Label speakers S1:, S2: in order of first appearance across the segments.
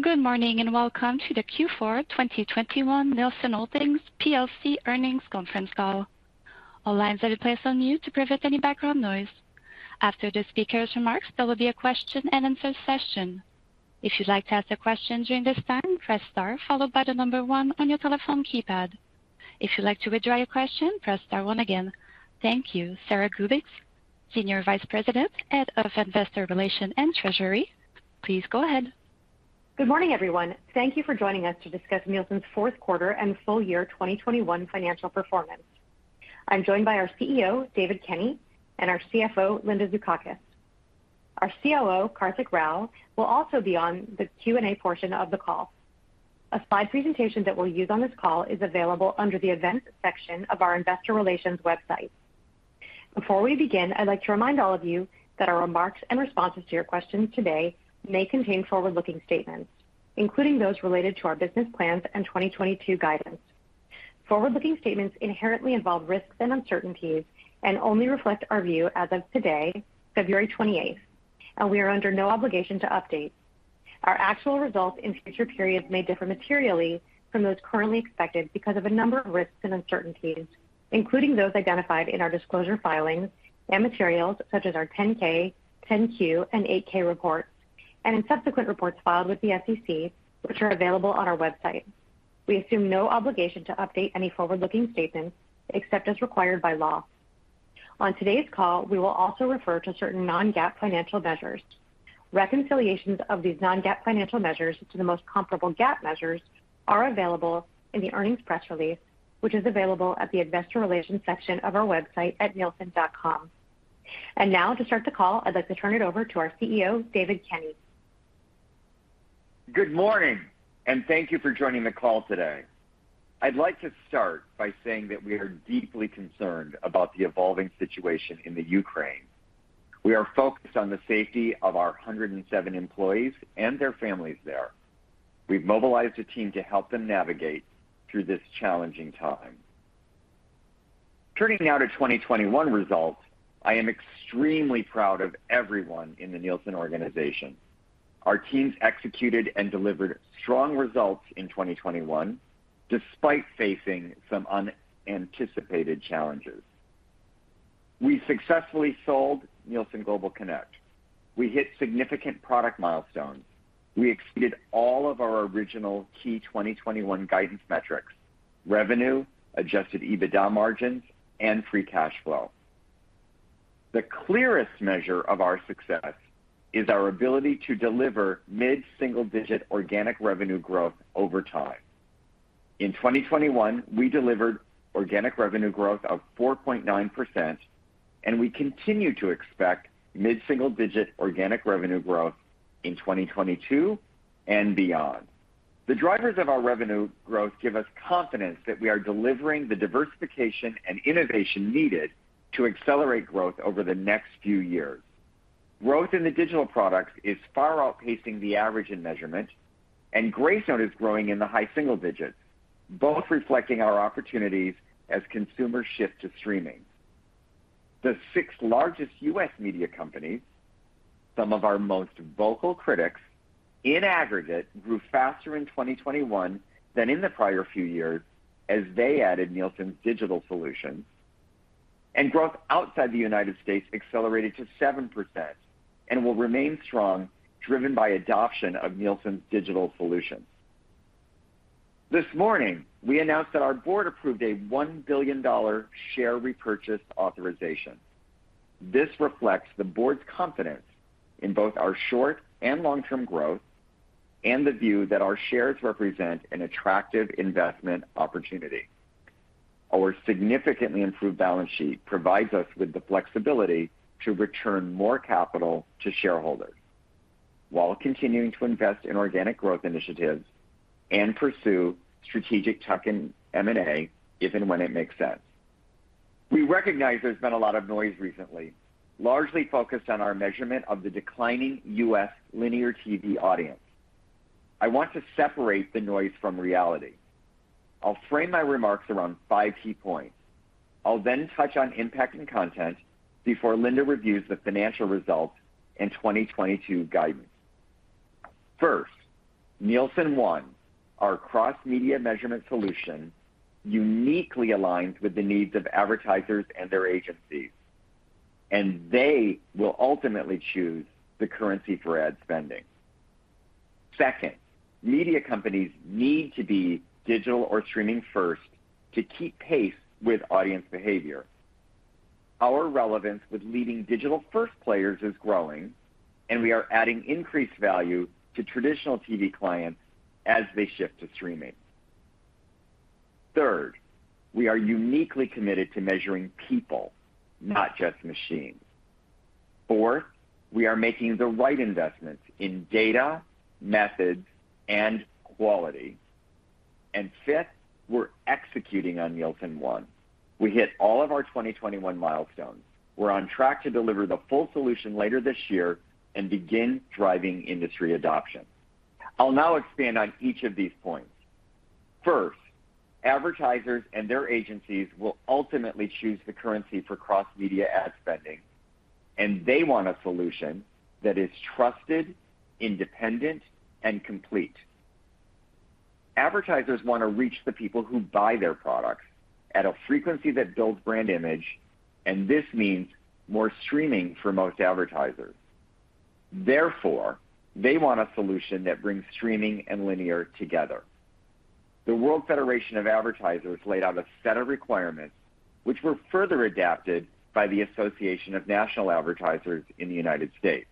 S1: Good morning, and welcome to the Q4 2021 Nielsen Holdings plc earnings conference call. All lines are placed on mute to prevent any background noise. After the speakers' remarks, there will be a question-and-answer session. If you'd like to ask a question during this time, press star followed by the number one on your telephone keypad. If you'd like to withdraw your question, press star one again. Thank you. Sara Gubins, Senior Vice President, Head of Investor Relations and Treasury, please go ahead.
S2: Good morning, everyone. Thank you for joining us to discuss Nielsen's fourth quarter and full year 2021 financial performance. I'm joined by our CEO, David Kenny, and our CFO, Linda Zukauckas. Our COO, Karthik Rao, will also be on the Q&A portion of the call. A slide presentation that we'll use on this call is available under the Events section of our investor relations website. Before we begin, I'd like to remind all of you that our remarks and responses to your questions today may contain forward-looking statements, including those related to our business plans and 2022 guidance. Forward-looking statements inherently involve risks and uncertainties and only reflect our view as of today, February 28th, and we are under no obligation to update. Our actual results in future periods may differ materially from those currently expected because of a number of risks and uncertainties, including those identified in our disclosure filings and materials such as our 10-K, 10-Q, and 8-K reports, and in subsequent reports filed with the SEC, which are available on our website. We assume no obligation to update any forward-looking statements except as required by law. On today's call, we will also refer to certain non-GAAP financial measures. Reconciliations of these non-GAAP financial measures to the most comparable GAAP measures are available in the earnings press release, which is available at the investor relations section of our website at nielsen.com. Now to start the call, I'd like to turn it over to our CEO, David Kenny.
S3: Good morning, and thank you for joining the call today. I'd like to start by saying that we are deeply concerned about the evolving situation in Ukraine. We are focused on the safety of our 107 employees and their families there. We've mobilized a team to help them navigate through this challenging time. Turning now to 2021 results, I am extremely proud of everyone in the Nielsen organization. Our teams executed and delivered strong results in 2021 despite facing some unanticipated challenges. We successfully sold Nielsen Global Connect. We hit significant product milestones. We exceeded all of our original key 2021 guidance metrics, revenue, adjusted EBITDA margins, and free cash flow. The clearest measure of our success is our ability to deliver mid-single-digit organic revenue growth over time. In 2021, we delivered organic revenue growth of 4.9%, and we continue to expect mid-single-digit organic revenue growth in 2022 and beyond. The drivers of our revenue growth give us confidence that we are delivering the diversification and innovation needed to accelerate growth over the next few years. Growth in the digital products is far outpacing the average in measurement, and Gracenote is growing in the high single digits, both reflecting our opportunities as consumers shift to streaming. The six largest U.S. media companies, some of our most vocal critics, in aggregate, grew faster in 2021 than in the prior few years as they added Nielsen's digital solutions. Growth outside the United States accelerated to 7% and will remain strong, driven by adoption of Nielsen's digital solutions. This morning, we announced that our board approved a $1 billion share repurchase authorization. This reflects the board's confidence in both our short- and long-term growth and the view that our shares represent an attractive investment opportunity. Our significantly improved balance sheet provides us with the flexibility to return more capital to shareholders while continuing to invest in organic growth initiatives and pursue strategic tuck-in M&A if and when it makes sense. We recognize there's been a lot of noise recently, largely focused on our measurement of the declining U.S. linear TV audience. I want to separate the noise from reality. I'll frame my remarks around five key points. I'll then touch on impact and content before Linda reviews the financial results and 2022 guidance. First, Nielsen ONE, our cross-media measurement solution, uniquely aligns with the needs of advertisers and their agencies, and they will ultimately choose the currency for ad spending. Second, media companies need to be digital or streaming-first to keep pace with audience behavior. Our relevance with leading digital-first players is growing, and we are adding increased value to traditional TV clients as they shift to streaming. Third, we are uniquely committed to measuring people, not just machines. Four, we are making the right investments in data, methods, and quality. Fifth, we're executing on Nielsen ONE. We hit all of our 2021 milestones. We're on track to deliver the full solution later this year and begin driving industry adoption. I'll now expand on each of these points. First, advertisers and their agencies will ultimately choose the currency for cross-media ad spending, and they want a solution that is trusted, independent, and complete. Advertisers want to reach the people who buy their products at a frequency that builds brand image, and this means more streaming for most advertisers. Therefore, they want a solution that brings streaming and linear together. The World Federation of Advertisers laid out a set of requirements which were further adapted by the Association of National Advertisers in the United States.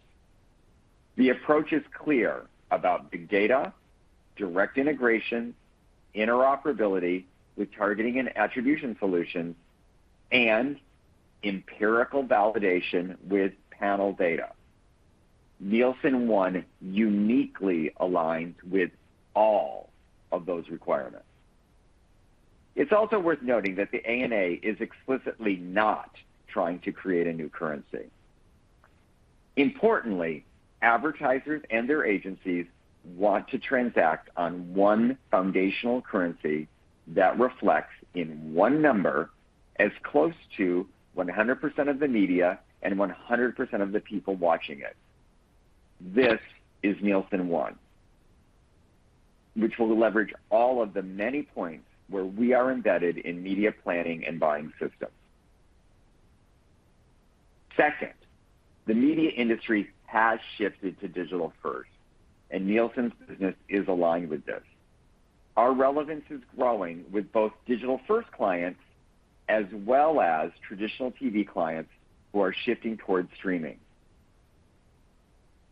S3: The approach is clear about big data, direct integration, interoperability with targeting and attribution solutions, and empirical validation with panel data. Nielsen ONE uniquely aligns with all of those requirements. It's also worth noting that the ANA is explicitly not trying to create a new currency. Importantly, advertisers and their agencies want to transact on one foundational currency that reflects in one number as close to 100% of the media and 100% of the people watching it. This is Nielsen ONE, which will leverage all of the many points where we are embedded in media planning and buying systems. Second, the media industry has shifted to digital first, and Nielsen's business is aligned with this. Our relevance is growing with both digital-first clients as well as traditional TV clients who are shifting towards streaming.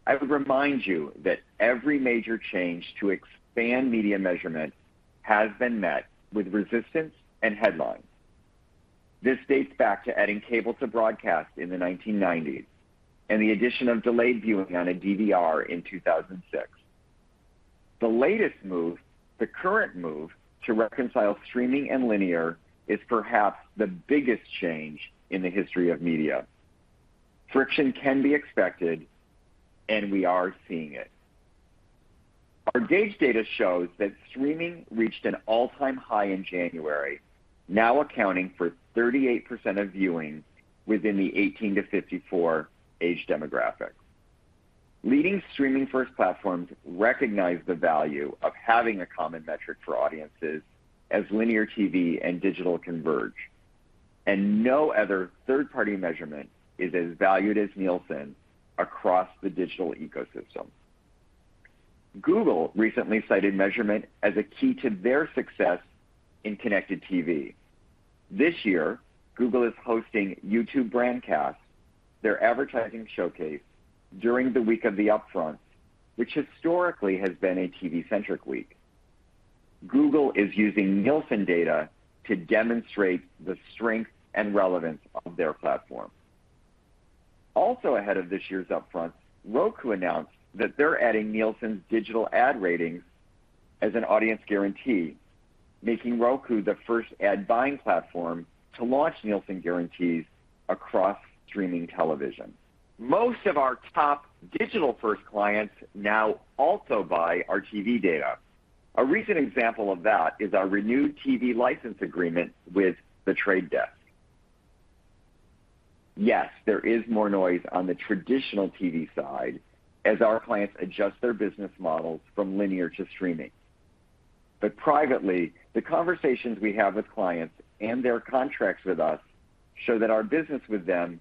S3: I would remind you that every major change to expand media measurement has been met with resistance and headlines. This dates back to adding cable to broadcast in the 1990s and the addition of delayed viewing on a DVR in 2006. The latest move, the current move to reconcile streaming and linear, is perhaps the biggest change in the history of media. Friction can be expected, and we are seeing it. Our gauge data shows that streaming reached an all-time high in January, now accounting for 38% of viewing within the 18-54 age demographic. Leading streaming-first platforms recognize the value of having a common metric for audiences as linear TV and digital converge, and no other third-party measurement is as valued as Nielsen across the digital ecosystem. Google recently cited measurement as a key to their success in connected TV. This year, Google is hosting YouTube Brandcast, their advertising showcase, during the week of the Upfronts, which historically has been a TV-centric week. Google is using Nielsen data to demonstrate the strength and relevance of their platform. Also ahead of this year's Upfronts, Roku announced that they're adding Nielsen's Digital Ad Ratings as an audience guarantee, making Roku the first ad buying platform to launch Nielsen guarantees across streaming television. Most of our top digital-first clients now also buy our TV data. A recent example of that is our renewed TV license agreement with The Trade Desk. Yes, there is more noise on the traditional TV side as our clients adjust their business models from linear to streaming. Privately, the conversations we have with clients and their contracts with us show that our business with them is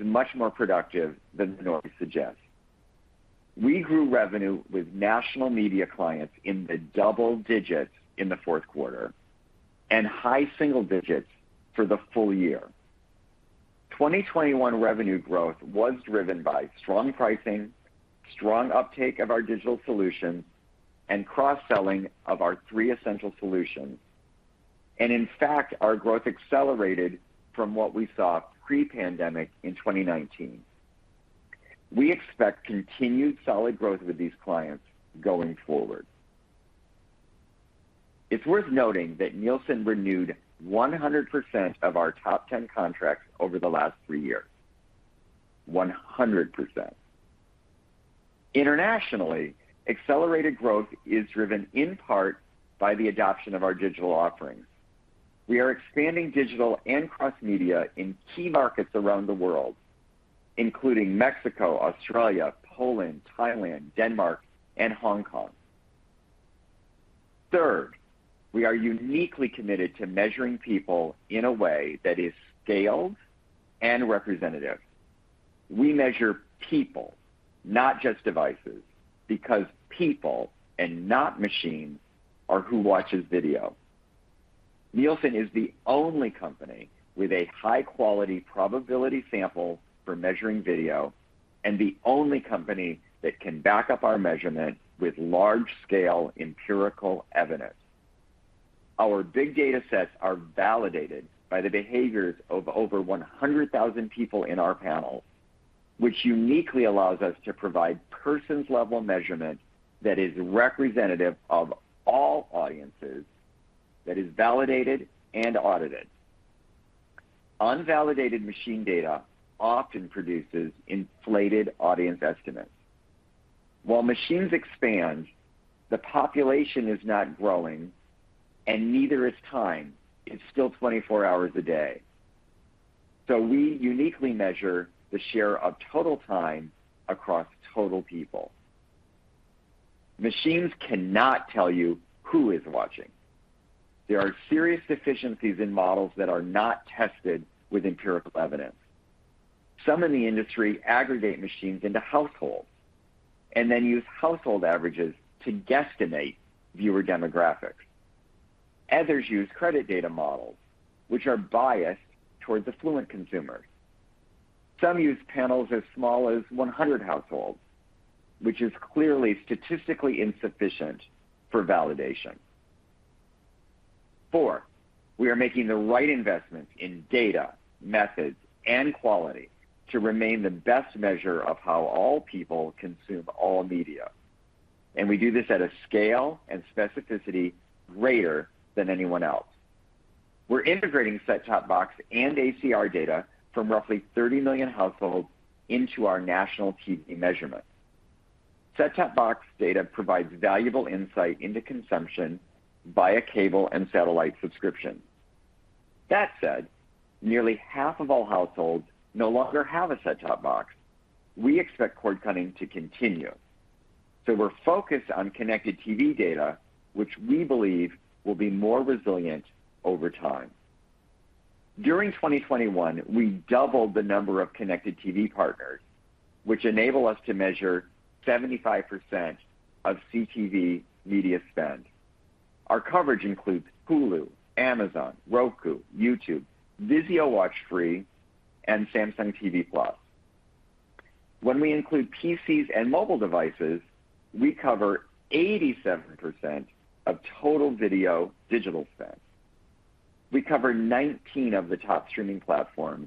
S3: much more productive than the noise suggests. We grew revenue with national media clients in the double digits in the fourth quarter and high single digits for the full year. 2021 revenue growth was driven by strong pricing, strong uptake of our digital solutions, and cross-selling of our three essential solutions. In fact, our growth accelerated from what we saw pre-pandemic in 2019. We expect continued solid growth with these clients going forward. It's worth noting that Nielsen renewed 100% of our top 10 contracts over the last three years. 100%. Internationally, accelerated growth is driven in part by the adoption of our digital offerings. We are expanding digital and cross-media in key markets around the world, including Mexico, Australia, Poland, Thailand, Denmark, and Hong Kong. Third, we are uniquely committed to measuring people in a way that is scaled and representative. We measure people, not just devices, because people and not machines are who watches video. Nielsen is the only company with a high-quality probability sample for measuring video and the only company that can back up our measurement with large-scale empirical evidence. Our big data sets are validated by the behaviors of over 100,000 people in our panel, which uniquely allows us to provide persons-level measurement that is representative of all audiences that is validated and audited. Unvalidated machine data often produces inflated audience estimates. While machines expand, the population is not growing and neither is time. It's still 24 hours a day. We uniquely measure the share of total time across total people. Machines cannot tell you who is watching. There are serious deficiencies in models that are not tested with empirical evidence. Some in the industry aggregate machines into households and then use household averages to guesstimate viewer demographics. Others use credit data models which are biased towards affluent consumers. Some use panels as small as 100 households, which is clearly statistically insufficient for validation. Four, we are making the right investments in data, methods, and quality to remain the best measure of how all people consume all media. We do this at a scale and specificity greater than anyone else. We're integrating set-top box and ACR data from roughly 30 million households into our national TV measurements. Set-top box data provides valuable insight into consumption via cable and satellite subscription. That said, nearly half of all households no longer have a set-top box. We expect cord-cutting to continue, so we're focused on connected TV data, which we believe will be more resilient over time. During 2021, we doubled the number of connected TV partners, which enable us to measure 75% of CTV media spend. Our coverage includes Hulu, Amazon, Roku, YouTube, VIZIO WatchFree+, and Samsung TV Plus. When we include PCs and mobile devices, we cover 87% of total video digital spend. We cover 19 of the top streaming platforms,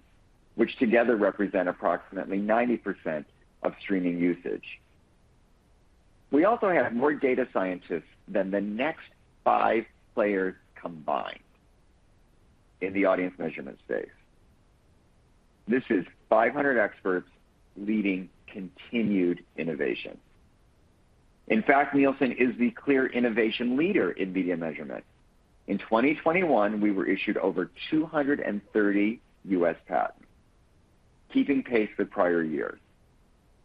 S3: which together represent approximately 90% of streaming usage. We also have more data scientists than the next five players combined in the audience measurement space. This is 500 experts leading continued innovation. In fact, Nielsen is the clear innovation leader in media measurement. In 2021, we were issued over 230 U.S. patents, keeping pace with prior years.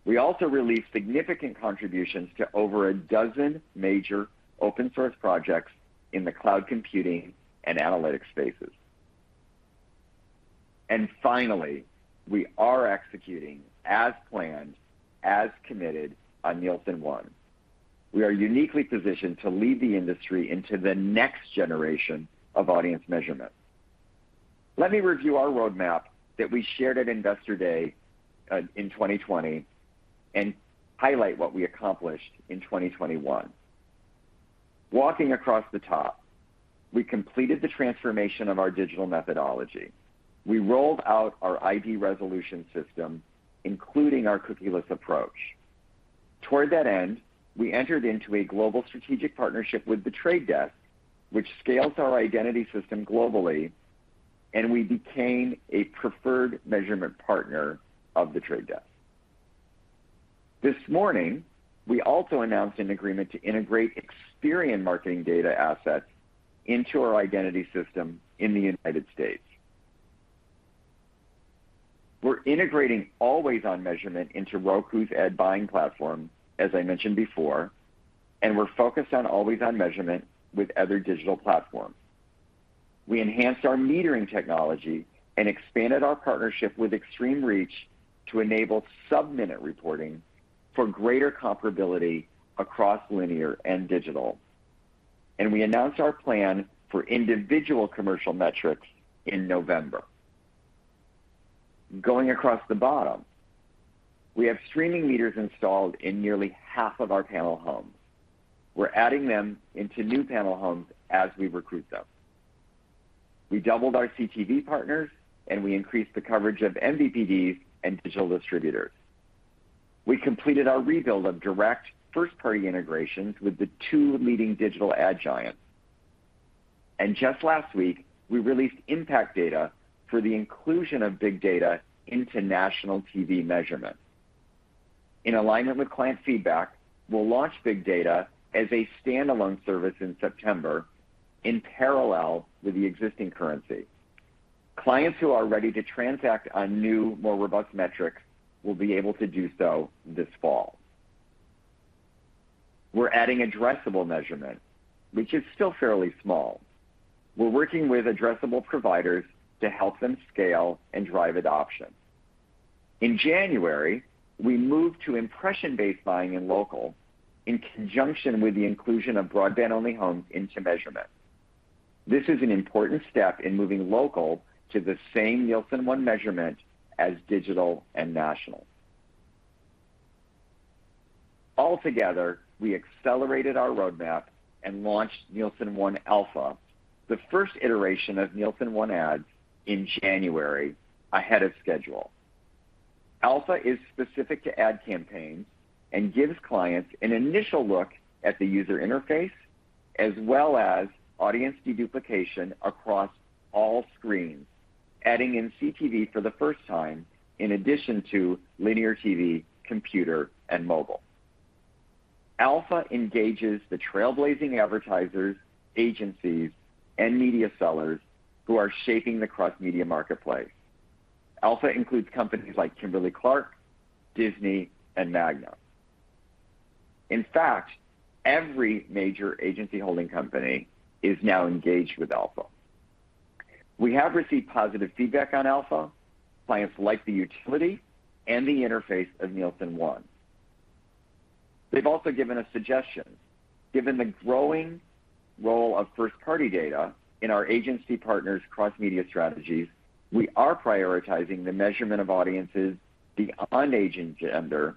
S3: We also released significant contributions to over 12 major open source projects in the cloud computing and analytics spaces. Finally, we are executing as planned, as committed on Nielsen ONE. We are uniquely positioned to lead the industry into the next generation of audience measurement. Let me review our roadmap that we shared at Investor Day in 2020 and highlight what we accomplished in 2021. Walking across the top, we completed the transformation of our digital methodology. We rolled out our IP resolution system, including our cookieless approach. Toward that end, we entered into a global strategic partnership with The Trade Desk, which scales our identity system globally, and we became a preferred measurement partner of The Trade Desk. This morning, we also announced an agreement to integrate Experian marketing data assets into our identity system in the United States. We're integrating Always On measurement into Roku's ad buying platform, as I mentioned before, and we're focused on Always On measurement with other digital platforms. We enhanced our metering technology and expanded our partnership with Extreme Reach to enable sub-minute reporting for greater comparability across linear and digital. We announced our plan for individual commercial metrics in November. Going across the bottom, we have streaming meters installed in nearly half of our panel homes. We're adding them into new panel homes as we recruit them. We doubled our CTV partners, and we increased the coverage of MVPDs and digital distributors. We completed our rebuild of direct first-party integrations with the two leading digital ad giants. Just last week, we released impact data for the inclusion of big data into national TV measurement. In alignment with client feedback, we'll launch big data as a standalone service in September in parallel with the existing currency. Clients who are ready to transact on new, more robust metrics will be able to do so this fall. We're adding addressable measurement, which is still fairly small. We're working with addressable providers to help them scale and drive adoption. In January, we moved to impression-based buying in local in conjunction with the inclusion of broadband-only homes into measurement. This is an important step in moving local to the same Nielsen ONE measurement as digital and national. Altogether, we accelerated our roadmap and launched Nielsen ONE Alpha, the first iteration of Nielsen ONE Ads, in January ahead of schedule. Alpha is specific to ad campaigns and gives clients an initial look at the user interface as well as audience deduplication across all screens, adding in CTV for the first time in addition to linear TV, computer, and mobile. Alpha engages the trailblazing advertisers, agencies, and media sellers who are shaping the cross media marketplace. Alpha includes companies like Kimberly-Clark, Disney, and MAGNA. In fact, every major agency holding company is now engaged with Alpha. We have received positive feedback on Alpha. Clients like the utility and the interface of Nielsen ONE. They've also given us suggestions. Given the growing role of first-party data in our agency partners' cross media strategies, we are prioritizing the measurement of audiences beyond age and gender,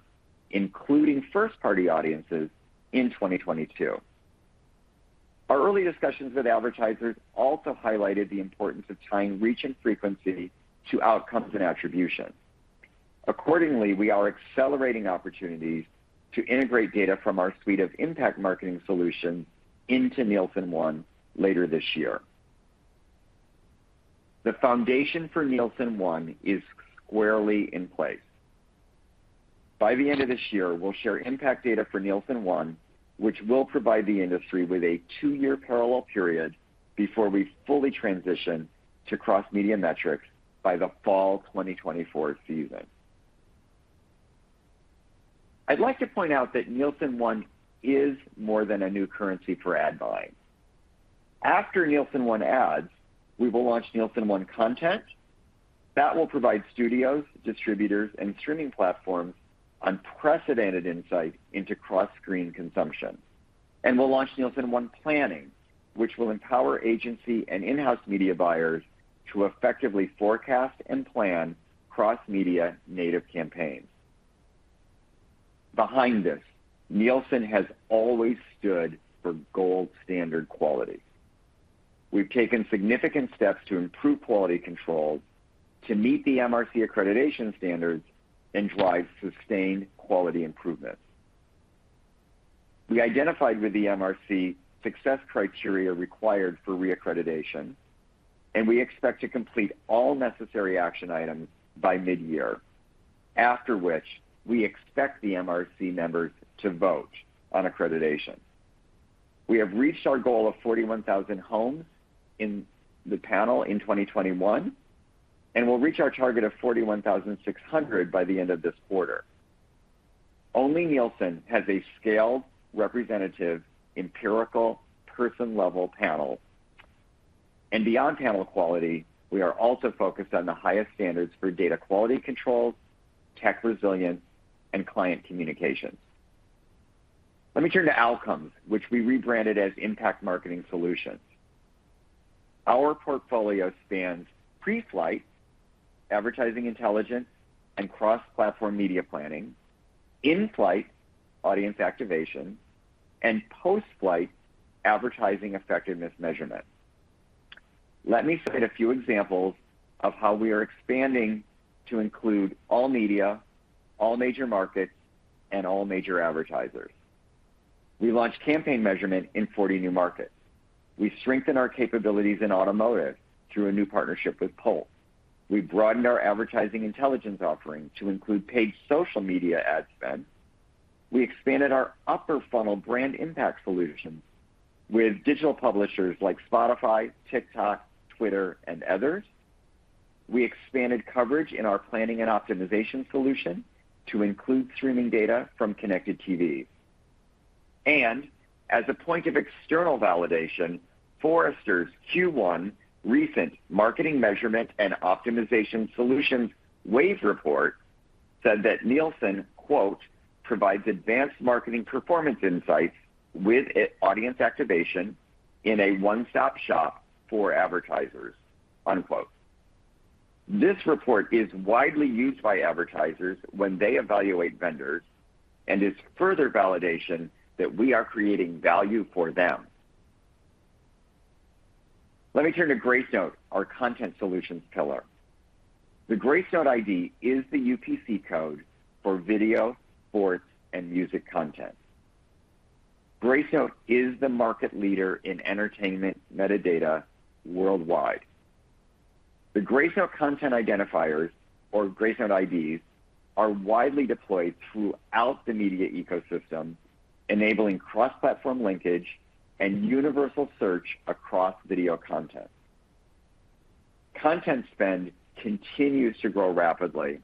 S3: including first-party audiences in 2022. Our early discussions with advertisers also highlighted the importance of tying reach and frequency to outcomes and attribution. Accordingly, we are accelerating opportunities to integrate data from our suite of Impact Marketing Solutions into Nielsen ONE later this year. The foundation for Nielsen ONE is squarely in place. By the end of this year, we'll share impact data for Nielsen ONE, which will provide the industry with a two-year parallel period before we fully transition to cross-media metrics by the fall 2024 season. I'd like to point out that Nielsen ONE is more than a new currency for ad buying. After Nielsen ONE Ads, we will launch Nielsen ONE Content that will provide studios, distributors, and streaming platforms unprecedented insight into cross-screen consumption. We'll launch Nielsen ONE Planning, which will empower agency and in-house media buyers to effectively forecast and plan cross-media native campaigns. Behind this, Nielsen has always stood for gold standard quality. We've taken significant steps to improve quality controls to meet the MRC accreditation standards and drive sustained quality improvements. We identified with the MRC success criteria required for reaccreditation, and we expect to complete all necessary action items by mid-year, after which we expect the MRC members to vote on accreditation. We have reached our goal of 41,000 homes in the panel in 2021, and we'll reach our target of 41,600 by the end of this quarter. Only Nielsen has a scaled, representative, empirical person-level panel. Beyond panel quality, we are also focused on the highest standards for data quality controls, tech resilience, and client communications. Let me turn to Outcomes, which we rebranded as Impact Marketing Solutions. Our portfolio spans pre-flight advertising intelligence and cross-platform media planning, in-flight audience activation, and post-flight advertising effectiveness measurement. Let me state a few examples of how we are expanding to include all media, all major markets, and all major advertisers. We launched campaign measurement in 40 new markets. We strengthened our capabilities in automotive through a new partnership with Polk. We broadened our advertising intelligence offering to include paid social media ad spend. We expanded our upper funnel brand impact solutions with digital publishers like Spotify, TikTok, Twitter, and others. We expanded coverage in our planning and optimization solution to include streaming data from connected TVs. As a point of external validation, Forrester's Q1 recent marketing measurement and optimization solutions Wave report said that Nielsen, quote, "Provides advanced marketing performance insights with audience activation in a one-stop shop for advertisers." Unquote. This report is widely used by advertisers when they evaluate vendors and is further validation that we are creating value for them. Let me turn to Gracenote, our content solutions pillar. The Gracenote ID is the UPC code for video, sports, and music content. Gracenote is the market leader in entertainment metadata worldwide. The Gracenote content identifiers or Gracenote IDs are widely deployed throughout the media ecosystem, enabling cross-platform linkage and universal search across video content. Content spend continues to grow rapidly,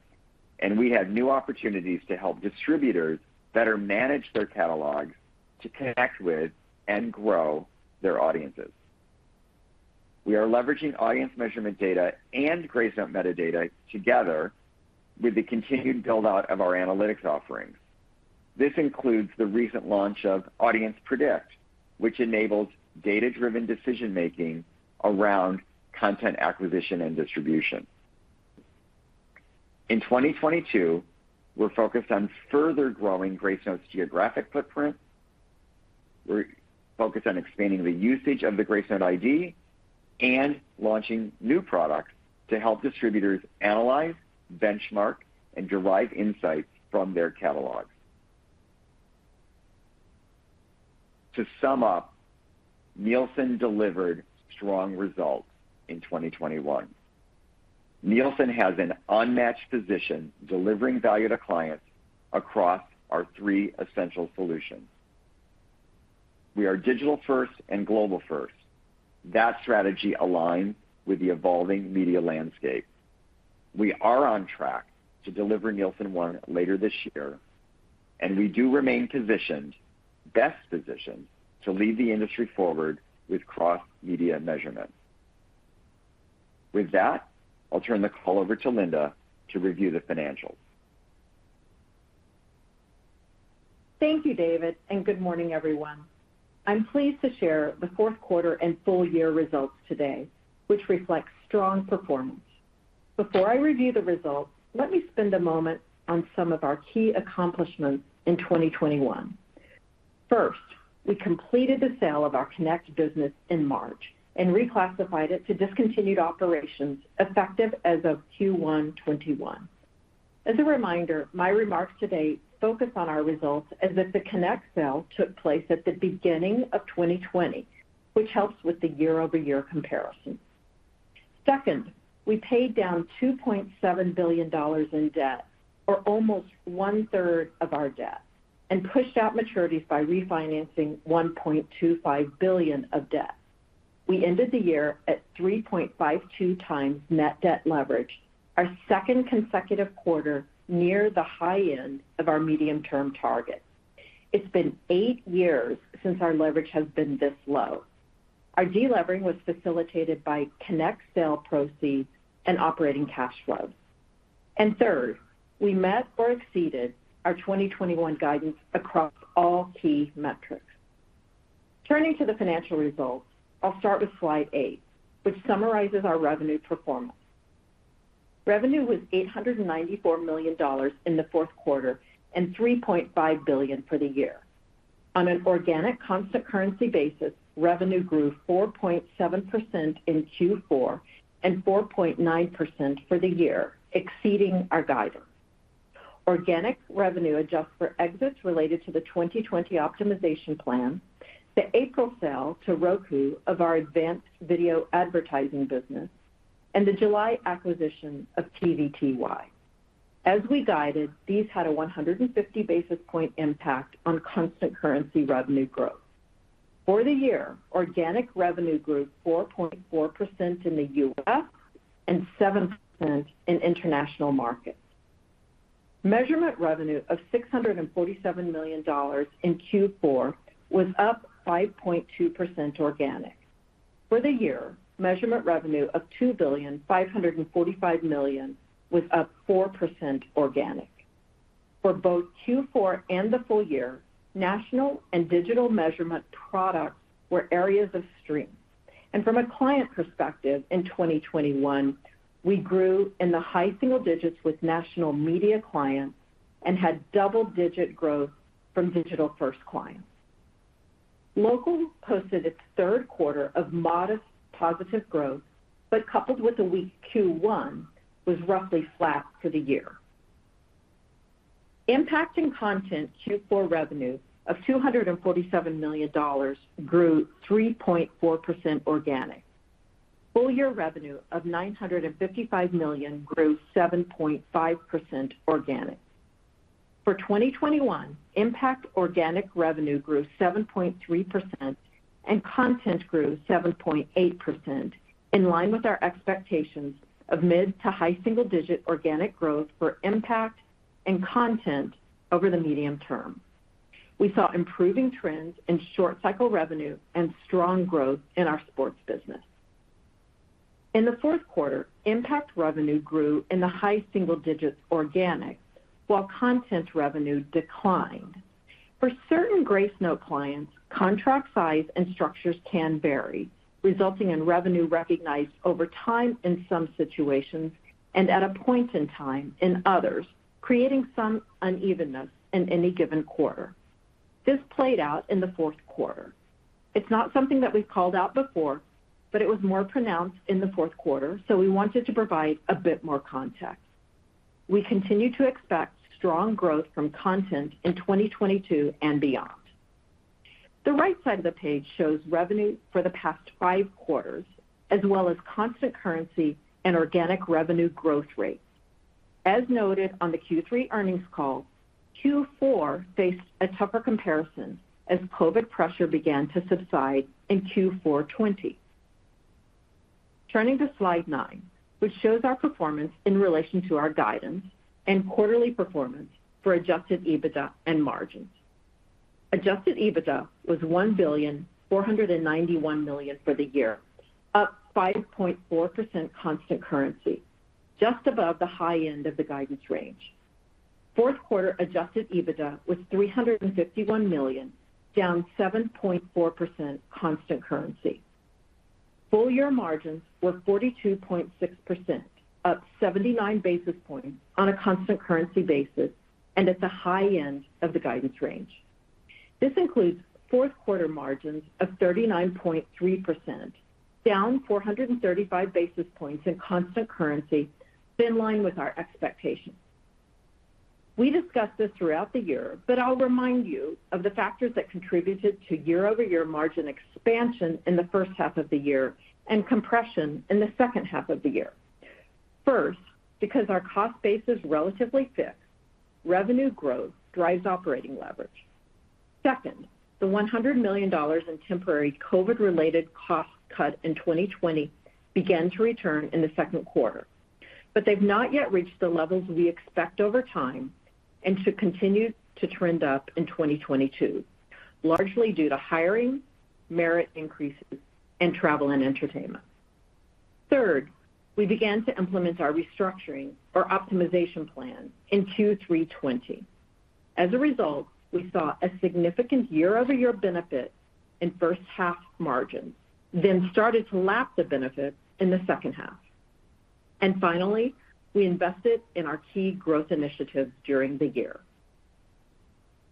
S3: and we have new opportunities to help distributors better manage their catalogs to connect with and grow their audiences. We are leveraging audience measurement data and Gracenote metadata together with the continued build-out of our analytics offerings. This includes the recent launch of Audience Predict, which enables data-driven decision-making around content acquisition and distribution. In 2022, we're focused on further growing Gracenote's geographic footprint. We're focused on expanding the usage of the Gracenote ID and launching new products to help distributors analyze, benchmark, and derive insights from their catalogs. To sum up, Nielsen delivered strong results in 2021. Nielsen has an unmatched position delivering value to clients across our three essential solutions. We are digital-first and global-first. That strategy aligns with the evolving media landscape. We are on track to deliver Nielsen ONE later this year, and we do remain positioned, best positioned, to lead the industry forward with cross-media measurement. With that, I'll turn the call over to Linda to review the financials.
S4: Thank you, David, and good morning, everyone. I'm pleased to share the fourth quarter and full year results today, which reflects strong performance. Before I review the results, let me spend a moment on some of our key accomplishments in 2021. First, we completed the sale of our Connect business in March and reclassified it to discontinued operations effective as of Q1 2021. As a reminder, my remarks today focus on our results as if the Connect sale took place at the beginning of 2020, which helps with the year-over-year comparison. Second, we paid down $2.7 billion in debt, or almost 1/3 of our debt, and pushed out maturities by refinancing $1.25 billion of debt. We ended the year at 3.52x net debt leverage, our second consecutive quarter near the high end of our medium-term target. It's been eight years since our leverage has been this low. Our de-levering was facilitated by Connect sale proceeds and operating cash flows. Third, we met or exceeded our 2021 guidance across all key metrics. Turning to the financial results, I'll start with slide eight, which summarizes our revenue performance. Revenue was $894 million in the fourth quarter and $3.5 billion for the year. On an organic constant currency basis, revenue grew 4.7% in Q4 and 4.9% for the year, exceeding our guidance. Organic revenue adjusted for exits related to the 2020 optimization plan, the April sale to Roku of our advanced video advertising business, and the July acquisition of TVTY. As we guided, these had a 150 basis point impact on constant currency revenue growth. For the year, organic revenue grew 4.4% in the U.S. and 7% in international markets. Measurement revenue of $647 million in Q4 was up 5.2% organic. For the year, measurement revenue of $2.545 billion was up 4% organic. For both Q4 and the full year, national and digital measurement products were areas of strength. From a client perspective, in 2021, we grew in the high single digits with national media clients and had double-digit growth from digital-first clients. Local posted its third quarter of modest positive growth, but coupled with a weak Q1, was roughly flat for the year. Impact and content Q4 revenue of $247 million grew 3.4% organic. Full year revenue of $955 million grew 7.5% organic. For 2021, Impact organic revenue grew 7.3% and Content grew 7.8%, in line with our expectations of mid- to high-single-digit organic growth for Impact and Content over the medium term. We saw improving trends in short cycle revenue and strong growth in our sports business. In the fourth quarter, Impact revenue grew in the high single digits organic while Content revenue declined. For certain Gracenote clients, contract size and structures can vary, resulting in revenue recognized over time in some situations and at a point in time in others, creating some unevenness in any given quarter. This played out in the fourth quarter. It's not something that we've called out before, but it was more pronounced in the fourth quarter, so we wanted to provide a bit more context. We continue to expect strong growth from Content in 2022 and beyond. The right side of the page shows revenue for the past five quarters, as well as constant currency and organic revenue growth rates. As noted on the Q3 earnings call, Q4 faced a tougher comparison as COVID pressure began to subside in Q4 2020. Turning to slide nine, which shows our performance in relation to our guidance and quarterly performance for adjusted EBITDA and margins. Adjusted EBITDA was $1.491 billion for the year, up 5.4% constant currency, just above the high end of the guidance range. Fourth quarter adjusted EBITDA was $351 million, down 7.4% constant currency. Full year margins were 42.6%, up 79 basis points on a constant currency basis and at the high end of the guidance range. This includes fourth quarter margins of 39.3%, down 435 basis points in constant currency in line with our expectations. We discussed this throughout the year, but I'll remind you of the factors that contributed to year-over-year margin expansion in the first half of the year and compression in the second half of the year. First, because our cost base is relatively fixed, revenue growth drives operating leverage. Second, the $100 million in temporary COVID-related cost cut in 2020 began to return in the second quarter. They've not yet reached the levels we expect over time and should continue to trend up in 2022, largely due to hiring, merit increases, and travel and entertainment. Third, we began to implement our restructuring or optimization plan in 2020. As a result, we saw a significant year-over-year benefit in first half margins, then started to lap the benefits in the second half. Finally, we invested in our key growth initiatives during the year.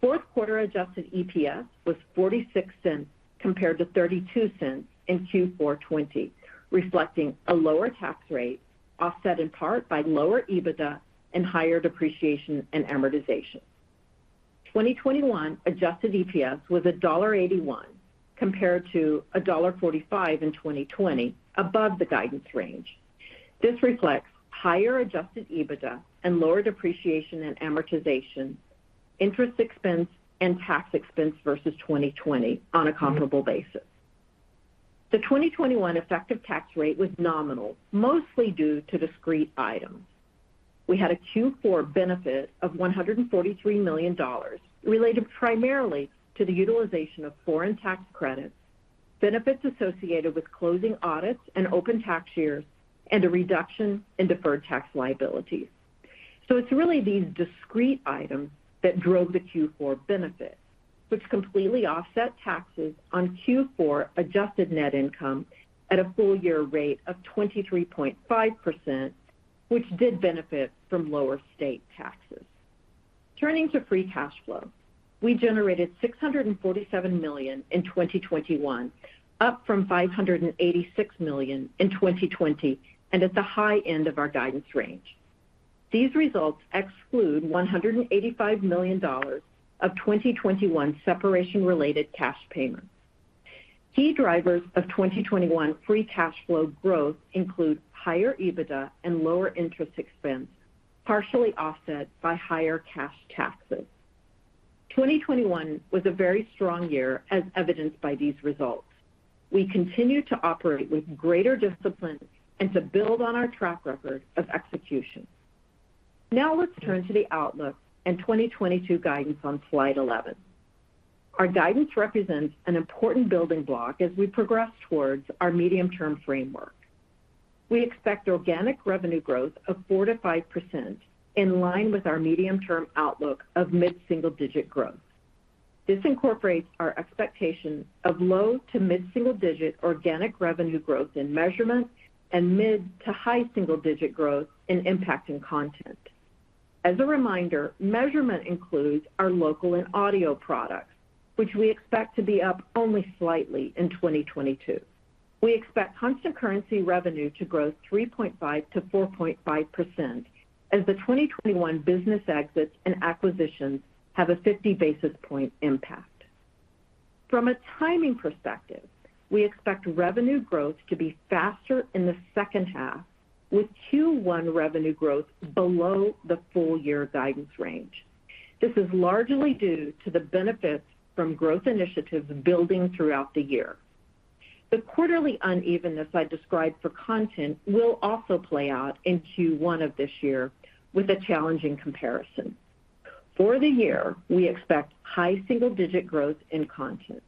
S4: Fourth quarter adjusted EPS was $0.46 compared to $0.32 in Q4 2020, reflecting a lower tax rate, offset in part by lower EBITDA and higher depreciation and amortization. 2021 adjusted EPS was $1.81 compared to $1.45 in 2020, above the guidance range. This reflects higher adjusted EBITDA and lower depreciation and amortization, interest expense and tax expense versus 2020 on a comparable basis. The 2021 effective tax rate was nominal, mostly due to discrete items. We had a Q4 benefit of $143 million related primarily to the utilization of foreign tax credits, benefits associated with closing audits and open tax years, and a reduction in deferred tax liabilities. It's really these discrete items that drove the Q4 benefit, which completely offset taxes on Q4 adjusted net income at a full year rate of 23.5%, which did benefit from lower state taxes. Turning to free cash flow, we generated $647 million in 2021, up from $586 million in 2020 and at the high end of our guidance range. These results exclude $185 million of 2021 separation-related cash payments. Key drivers of 2021 free cash flow growth include higher EBITDA and lower interest expense, partially offset by higher cash taxes. 2021 was a very strong year as evidenced by these results. We continue to operate with greater discipline and to build on our track record of execution. Now let's turn to the outlook and 2022 guidance on slide 11. Our guidance represents an important building block as we progress towards our medium-term framework. We expect organic revenue growth of 4%-5% in line with our medium-term outlook of mid-single-digit growth. This incorporates our expectations of low to mid-single digit organic revenue growth in measurement and mid to high single-digit growth in impact and content. As a reminder, measurement includes our local and audio products, which we expect to be up only slightly in 2022. We expect constant currency revenue to grow 3.5%-4.5% as the 2021 business exits and acquisitions have a 50 basis points impact. From a timing perspective, we expect revenue growth to be faster in the second half with Q1 revenue growth below the full year guidance range. This is largely due to the benefits from growth initiatives building throughout the year. The quarterly unevenness I described for content will also play out in Q1 of this year with a challenging comparison. For the year, we expect high single-digit growth in content.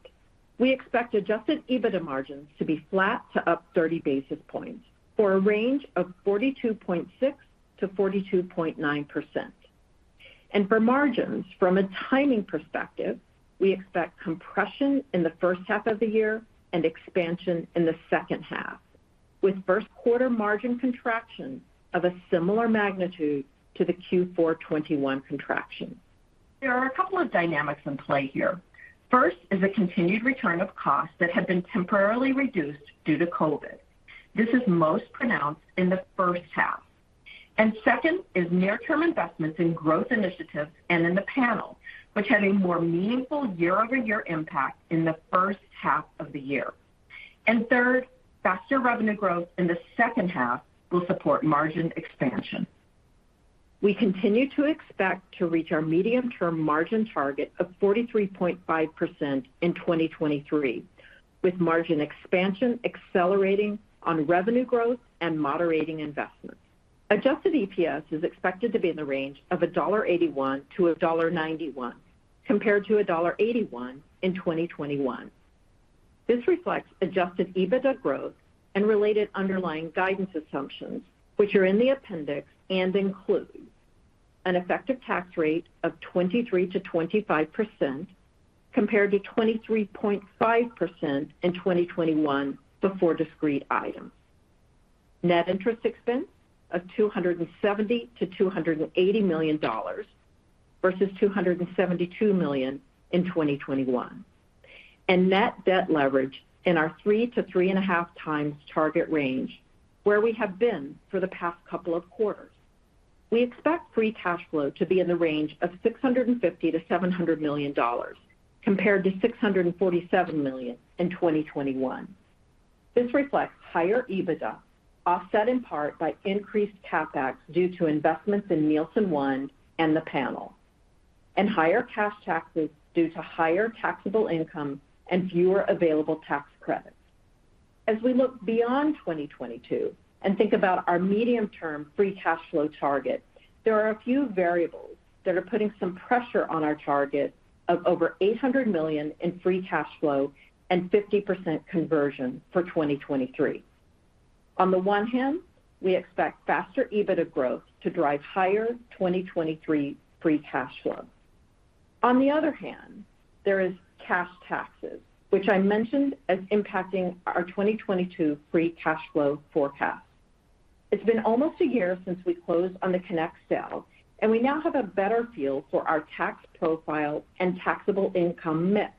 S4: We expect adjusted EBITDA margins to be flat to up 30 basis points for a range of 42.6%-42.9%. For margins, from a timing perspective, we expect compression in the first half of the year and expansion in the second half, with first quarter margin contraction of a similar magnitude to the Q4 2021 contraction. There are a couple of dynamics in play here. First is a continued return of costs that have been temporarily reduced due to COVID. This is most pronounced in the first half. Second is near-term investments in growth initiatives and in the panel, which have a more meaningful year-over-year impact in the first half of the year. Third, faster revenue growth in the second half will support margin expansion. We continue to expect to reach our medium-term margin target of 43.5% in 2023, with margin expansion accelerating on revenue growth and moderating investments. Adjusted EPS is expected to be in the range of $1.81-$1.91, compared to $1.81 in 2021. This reflects adjusted EBITDA growth and related underlying guidance assumptions, which are in the appendix and include an effective tax rate of 23%-25% compared to 23.5% in 2021 before discrete items. Net interest expense of $270 million-$280 million versus $272 million in 2021. Net debt leverage in our 3-3.5 times target range where we have been for the past couple of quarters. We expect free cash flow to be in the range of $650 million-$700 million compared to $647 million in 2021. This reflects higher EBITDA, offset in part by increased CapEx due to investments in Nielsen ONE and the panel, and higher cash taxes due to higher taxable income and fewer available tax credits. As we look beyond 2022 and think about our medium-term free cash flow target, there are a few variables that are putting some pressure on our target of over $800 million in free cash flow and 50% conversion for 2023. On the one hand, we expect faster EBITDA growth to drive higher 2023 free cash flow. On the other hand, there is cash taxes, which I mentioned as impacting our 2022 free cash flow forecast. It's been almost a year since we closed on the Connect sale, and we now have a better feel for our tax profile and taxable income mix.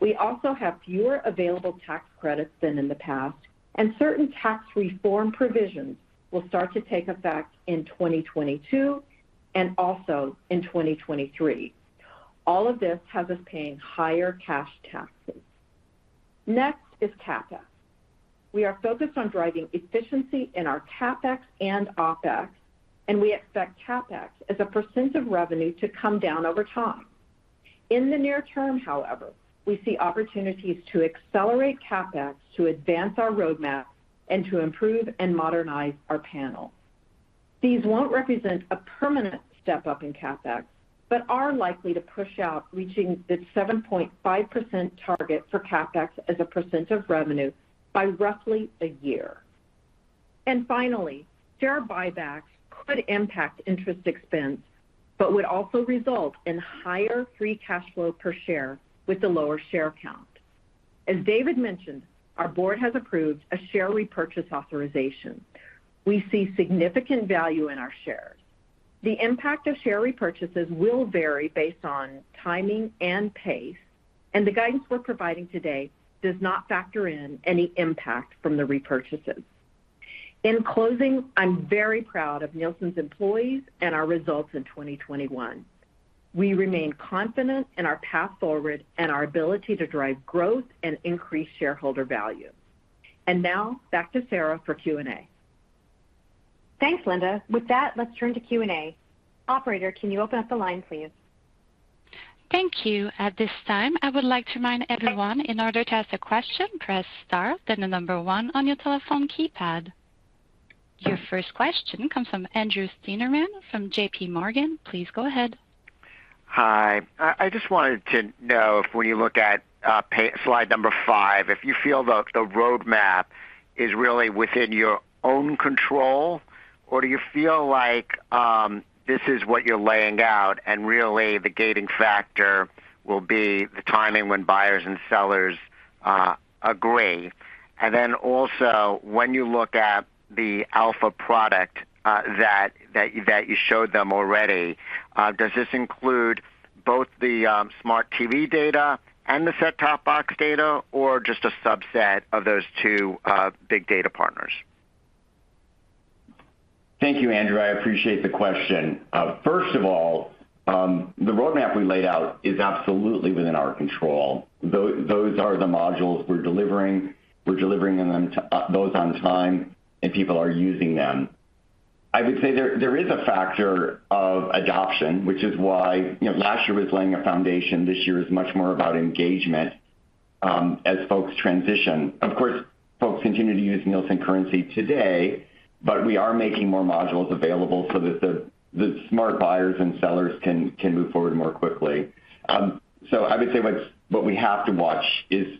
S4: We also have fewer available tax credits than in the past, and certain tax reform provisions will start to take effect in 2022 and also in 2023. All of this has us paying higher cash taxes. Next is CapEx. We are focused on driving efficiency in our CapEx and OpEx, and we expect CapEx as a % of revenue to come down over time. In the near term, however, we see opportunities to accelerate CapEx to advance our roadmap and to improve and modernize our panel. These won't represent a permanent step-up in CapEx, but are likely to push out reaching the 7.5% target for CapEx as a % of revenue by roughly a year. Finally, share buybacks could impact interest expense, but would also result in higher free cash flow per share with the lower share count. As David mentioned, our board has approved a share repurchase authorization. We see significant value in our shares. The impact of share repurchases will vary based on timing and pace, and the guidance we're providing today does not factor in any impact from the repurchases. In closing, I'm very proud of Nielsen's employees and our results in 2021. We remain confident in our path forward and our ability to drive growth and increase shareholder value. Now back to Sarah for Q&A.
S2: Thanks, Linda. With that, let's turn to Q&A. Operator, can you open up the line, please?
S1: Thank you. At this time, I would like to remind everyone in order to ask a question, press star then the number one on your telephone keypad. Your first question comes from Andrew Steinerman from JPMorgan. Please go ahead.
S5: Hi. I just wanted to know if when you look at slide number five, if you feel the roadmap is really within your own control, or do you feel like this is what you're laying out and really the gating factor will be the timing when buyers and sellers agree. Then also when you look at the Alpha product that you showed them already, does this include both the smart TV data and the set-top box data, or just a subset of those two big data partners?
S3: Thank you, Andrew. I appreciate the question. First of all, the roadmap we laid out is absolutely within our control. Those are the modules we're delivering. We're delivering them on time, and people are using them. I would say there is a factor of adoption, which is why, you know, last year was laying a foundation. This year is much more about engagement, as folks transition. Of course, folks continue to use Nielsen currency today, but we are making more modules available so that the smart buyers and sellers can move forward more quickly. I would say what we have to watch is,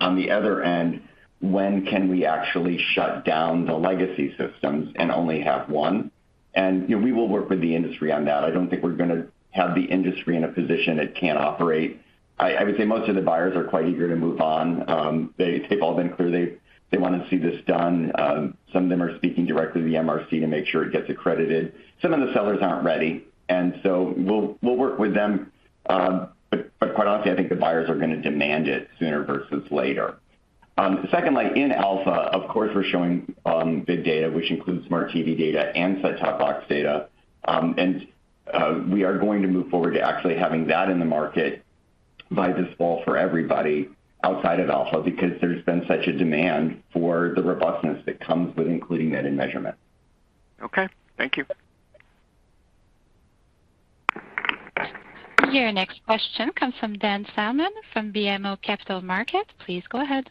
S3: on the other end, when can we actually shut down the legacy systems and only have one. You know, we will work with the industry on that. I don't think we're gonna have the industry in a position it can't operate. I would say most of the buyers are quite eager to move on. They've all been clear they wanna see this done. Some of them are speaking directly to the MRC to make sure it gets accredited. Some of the sellers aren't ready, and so we'll work with them. Quite honestly, I think the buyers are gonna demand it sooner versus later. Secondly, in Alpha, of course, we're showing big data, which includes smart TV data and set-top box data. We are going to move forward to actually having that in the market by this fall for everybody outside of Alpha, because there's been such a demand for the robustness that comes with including that in measurement.
S5: Okay. Thank you.
S1: Your next question comes from Dan Salmon from BMO Capital Markets. Please go ahead.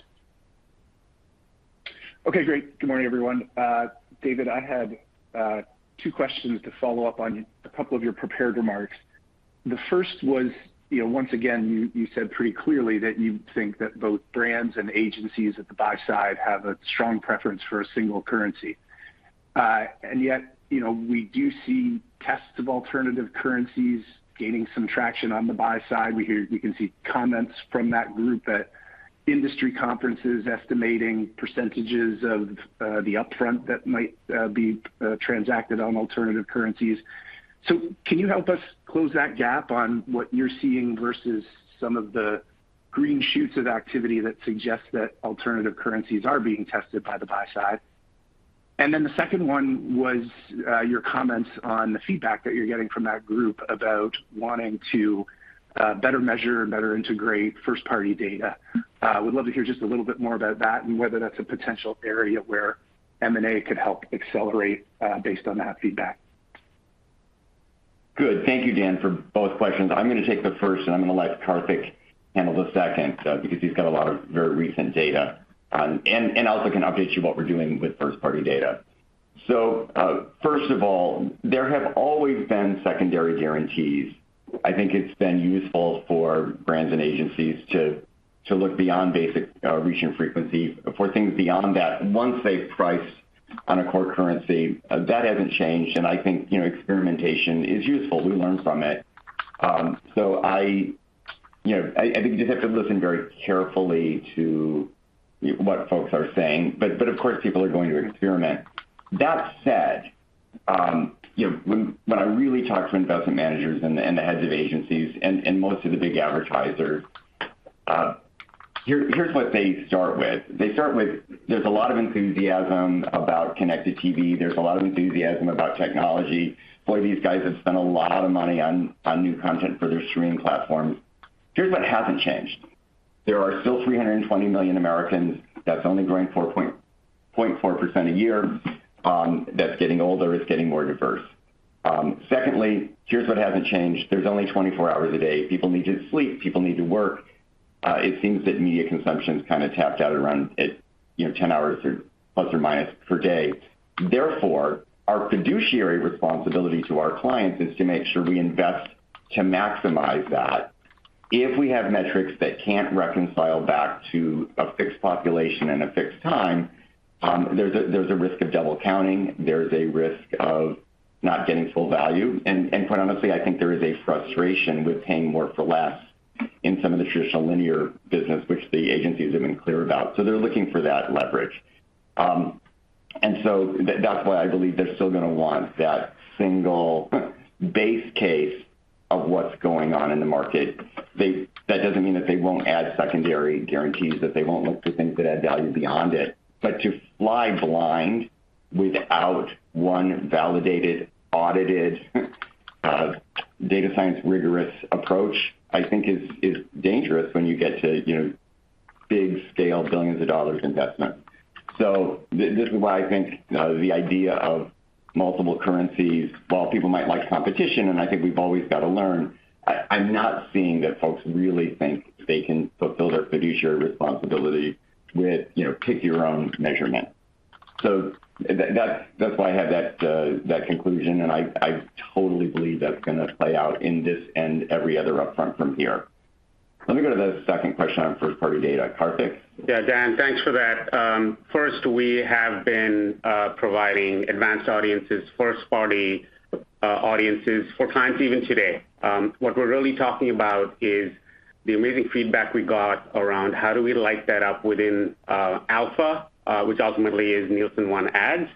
S6: Okay, great. Good morning, everyone. David, I had two questions to follow up on a couple of your prepared remarks. The first was, you know, once again, you said pretty clearly that you think that both brands and agencies at the buy side have a strong preference for a single currency. Yet, you know, we do see tests of alternative currencies gaining some traction on the buy side. We can see comments from that group at industry conferences estimating percentages of the upfront that might be transacted on alternative currencies. Can you help us close that gap on what you're seeing versus some of the green shoots of activity that suggest that alternative currencies are being tested by the buy side? Then the second one was your comments on the feedback that you're getting from that group about wanting to better measure and better integrate first-party data. Would love to hear just a little bit more about that and whether that's a potential area where M&A could help accelerate, based on that feedback.
S3: Good. Thank you, Dan, for both questions. I'm gonna take the first, and I'm gonna let Karthik handle the second, because he's got a lot of very recent data and also can update you what we're doing with first-party data. First of all, there have always been secondary guarantees. I think it's been useful for brands and agencies to look beyond basic reach and frequency for things beyond that. Once they price on a core currency, that hasn't changed, and I think, you know, experimentation is useful. We learn from it. You know, I think you just have to listen very carefully to what folks are saying. Of course, people are going to experiment. That said, you know, when I really talk to investment managers and the heads of agencies and most of the big advertisers, here's what they start with. They start with there's a lot of enthusiasm about connected TV. There's a lot of enthusiasm about technology. Boy, these guys have spent a lot of money on new content for their streaming platforms. Here's what hasn't changed. There are still 320 million Americans that's only growing 4.4% a year, that's getting older, it's getting more diverse. Secondly, here's what hasn't changed. There's only 24 hours a day. People need to sleep. People need to work. It seems that media consumption's kind of tapped out around, you know, 10 hours ± per day. Therefore, our fiduciary responsibility to our clients is to make sure we invest to maximize that. If we have metrics that can't reconcile back to a fixed population and a fixed time, there's a risk of double counting, there's a risk of not getting full value. Quite honestly, I think there is a frustration with paying more for less in some of the traditional linear business, which the agencies have been clear about. They're looking for that leverage. That's why I believe they're still gonna want that single base case of what's going on in the market. That doesn't mean that they won't add secondary guarantees, that they won't look for things that add value beyond it. To fly blind without one validated, audited, data science rigorous approach, I think is dangerous when you get to, you know, big scale billions of dollars investment. This is why I think the idea of multiple currencies, while people might like competition, and I think we've always got to learn, I'm not seeing that folks really think they can fulfill their fiduciary responsibility with, you know, pick your own measurement. That's why I have that conclusion, and I totally believe that's gonna play out in this and every other upfront from here. Let me go to the second question on first-party data. Karthik?
S7: Yeah. Dan, thanks for that. First, we have been providing advanced audiences, first-party, audiences for clients even today. What we're really talking about is the amazing feedback we got around how do we light that up within Alpha, which ultimately is Nielsen ONE Ads.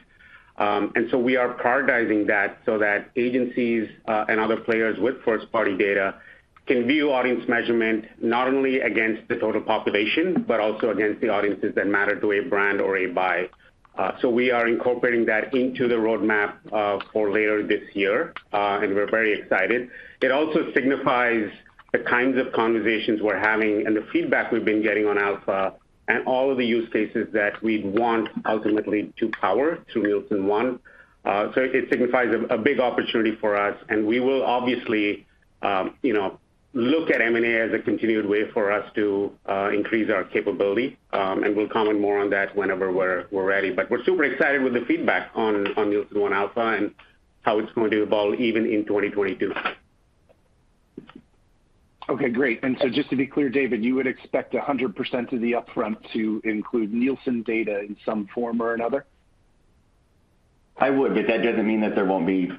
S7: We are prioritizing that so that agencies and other players with first-party data can view audience measurement not only against the total population, but also against the audiences that matter to a brand or a buy. We are incorporating that into the roadmap for later this year, and we're very excited. It also signifies the kinds of conversations we're having and the feedback we've been getting on Alpha and all of the use cases that we'd want ultimately to power through Nielsen ONE. It signifies a big opportunity for us, and we will obviously, you know, look at M&A as a continued way for us to increase our capability, and we'll comment more on that whenever we're ready. We're super excited with the feedback on Nielsen ONE Alpha and how it's going to evolve even in 2022.
S6: Okay, great. Just to be clear, David, you would expect 100% of the upfront to include Nielsen data in some form or another?
S3: I would, but that doesn't mean that there won't be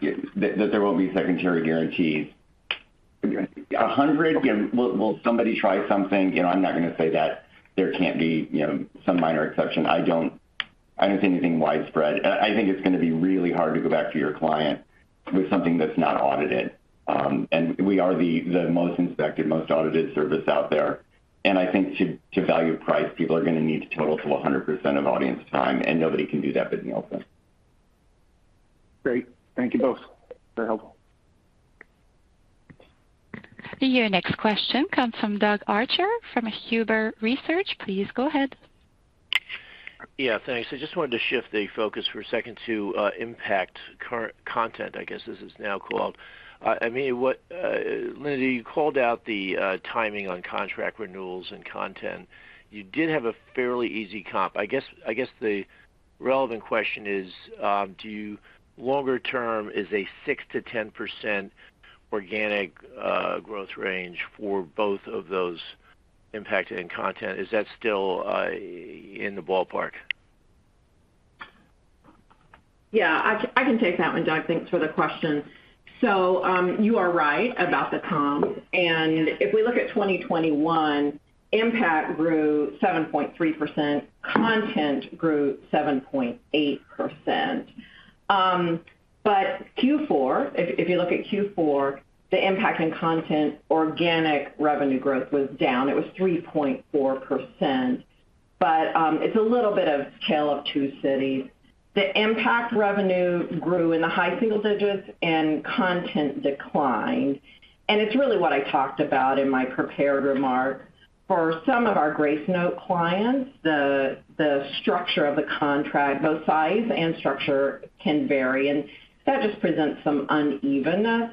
S3: secondary guarantees. 100? You know, will somebody try something? You know, I'm not gonna say that there can't be, you know, some minor exception. I don't see anything widespread. I think it's gonna be really hard to go back to your client with something that's not audited. We are the most inspected, most audited service out there. I think to value price, people are gonna need to total to 100% of audience time, and nobody can do that but Nielsen.
S6: Great. Thank you both. Very helpful.
S1: Your next question comes from Doug Arthur from Huber Research. Please go ahead.
S8: Yeah, thanks. I just wanted to shift the focus for a second to Impact content, I guess this is now called. I mean, what, Linda Zukauckas, you called out the timing on contract renewals and content. You did have a fairly easy comp. I guess the relevant question is, longer term is a 6%-10% organic growth range for both of those. Impact and content. Is that still in the ballpark?
S4: Yeah. I can take that one, Doug, thanks for the question. You are right about the comps. If we look at 2021, Impact grew 7.3%, Content grew 7.8%. Q4, if you look at Q4, the Impact and Content organic revenue growth was down. It was 3.4%. It's a little bit of Tale of Two Cities. The Impact revenue grew in the high single digits and Content declined. It's really what I talked about in my prepared remarks. For some of our Gracenote clients, the structure of the contract, both size and structure can vary, and that just presents some unevenness.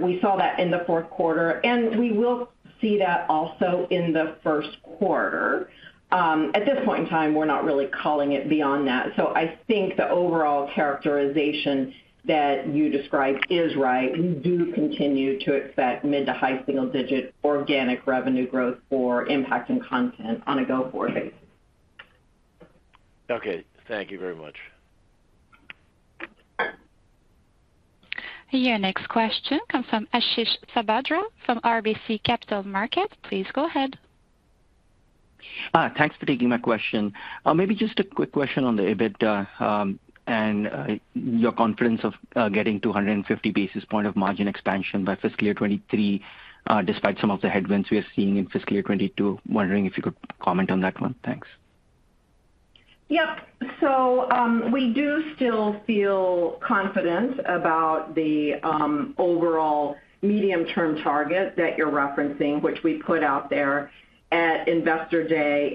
S4: We saw that in the fourth quarter, and we will see that also in the first quarter. At this point in time, we're not really calling it beyond that. I think the overall characterization that you described is right. We do continue to expect mid- to high-single-digit organic revenue growth for Impact and Content on a go-forward basis.
S8: Okay. Thank you very much.
S1: Your next question comes from Ashish Sabadra from RBC Capital Markets. Please go ahead.
S9: Thanks for taking my question. Maybe just a quick question on the EBITDA, and your confidence of getting to 150 basis points of margin expansion by fiscal year 2023, despite some of the headwinds we are seeing in fiscal year 2022. Wondering if you could comment on that one. Thanks.
S4: Yep. We do still feel confident about the overall medium-term target that you're referencing, which we put out there at Investor Day.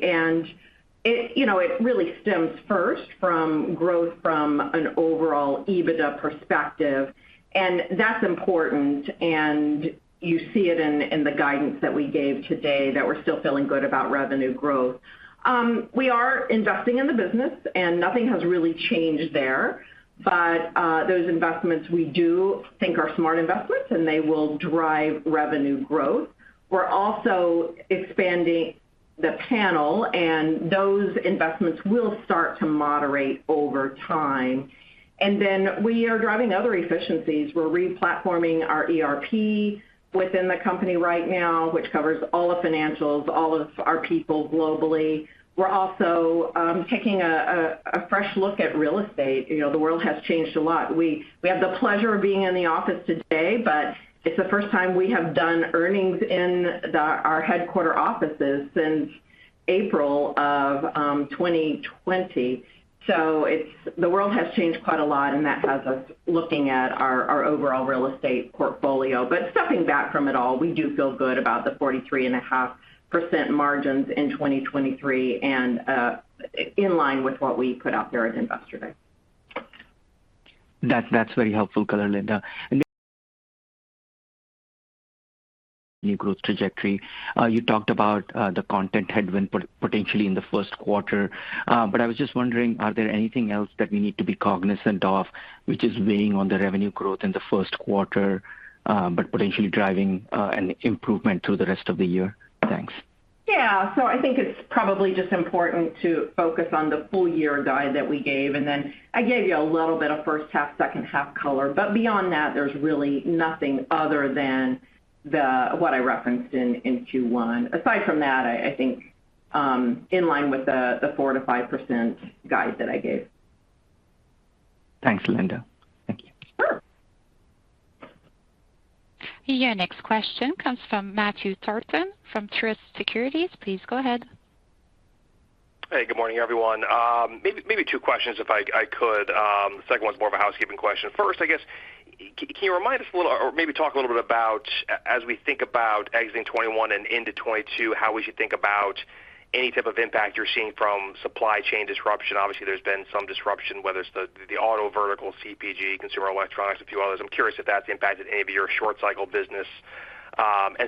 S4: It, you know, really stems first from growth from an overall EBITDA perspective, and that's important. You see it in the guidance that we gave today that we're still feeling good about revenue growth. We are investing in the business, and nothing has really changed there. Those investments we do think are smart investments, and they will drive revenue growth. We're also expanding the panel, and those investments will start to moderate over time. Then we are driving other efficiencies. We're re-platforming our ERP within the company right now, which covers all the financials, all of our people globally. We're also taking a fresh look at real estate. You know, the world has changed a lot. We have the pleasure of being in the office today, but it's the first time we have done earnings in our headquarters offices since April of 2020. The world has changed quite a lot, and that has us looking at our overall real estate portfolio. Stepping back from it all, we do feel good about the 43.5% margins in 2023 and in line with what we put out there at Investor Day.
S9: That, that's very helpful, Linda. New growth trajectory. You talked about the content headwind potentially in the first quarter. I was just wondering, are there anything else that we need to be cognizant of which is weighing on the revenue growth in the first quarter, but potentially driving an improvement through the rest of the year? Thanks.
S4: Yeah. I think it's probably just important to focus on the full year guide that we gave, and then I gave you a little bit of first half, second half color. Beyond that, there's really nothing other than what I referenced in Q1. Aside from that, I think in line with the 4%-5% guide that I gave.
S9: Thanks, Linda. Thank you.
S4: Sure.
S1: Your next question comes from Matthew Thornton from Truist Securities. Please go ahead.
S10: Hey, good morning, everyone. Maybe two questions if I could. The second one's more of a housekeeping question. First, I guess, can you remind us a little or maybe talk a little bit about as we think about exiting 2021 and into 2022, how we should think about any type of impact you're seeing from supply chain disruption? Obviously, there's been some disruption, whether it's the auto vertical CPG, consumer electronics, a few others. I'm curious if that's impacted any of your short cycle business.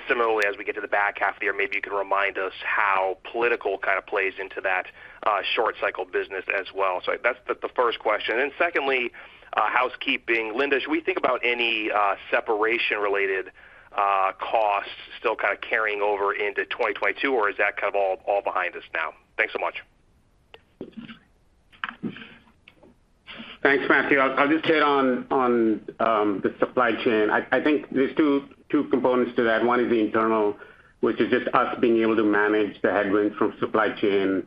S10: Similarly, as we get to the back half of the year, maybe you can remind us how political kind of plays into that short cycle business as well. That's the first question. Secondly, housekeeping. Linda, should we think about any separation-related costs still kind of carrying over into 2022, or is that kind of all behind us now? Thanks so much.
S7: Thanks, Matthew. I'll just hit on the supply chain. I think there's two components to that. One is the internal, which is just us being able to manage the headwinds from supply chain,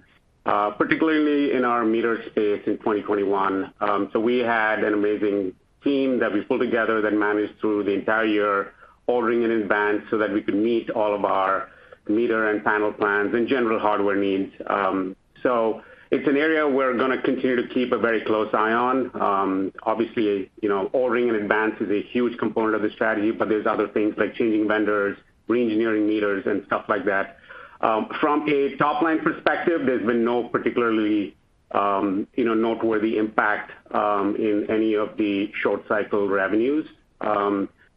S7: particularly in our meter space in 2021. We had an amazing team that we pulled together that managed through the entire year, ordering it in advance so that we could meet all of our meter and panel plans and general hardware needs. It's an area we're gonna continue to keep a very close eye on. Obviously, you know, ordering in advance is a huge component of the strategy, but there's other things like changing vendors, reengineering meters and stuff like that. From a top-line perspective, there's been no particularly, you know, noteworthy impact in any of the short cycle revenues. It's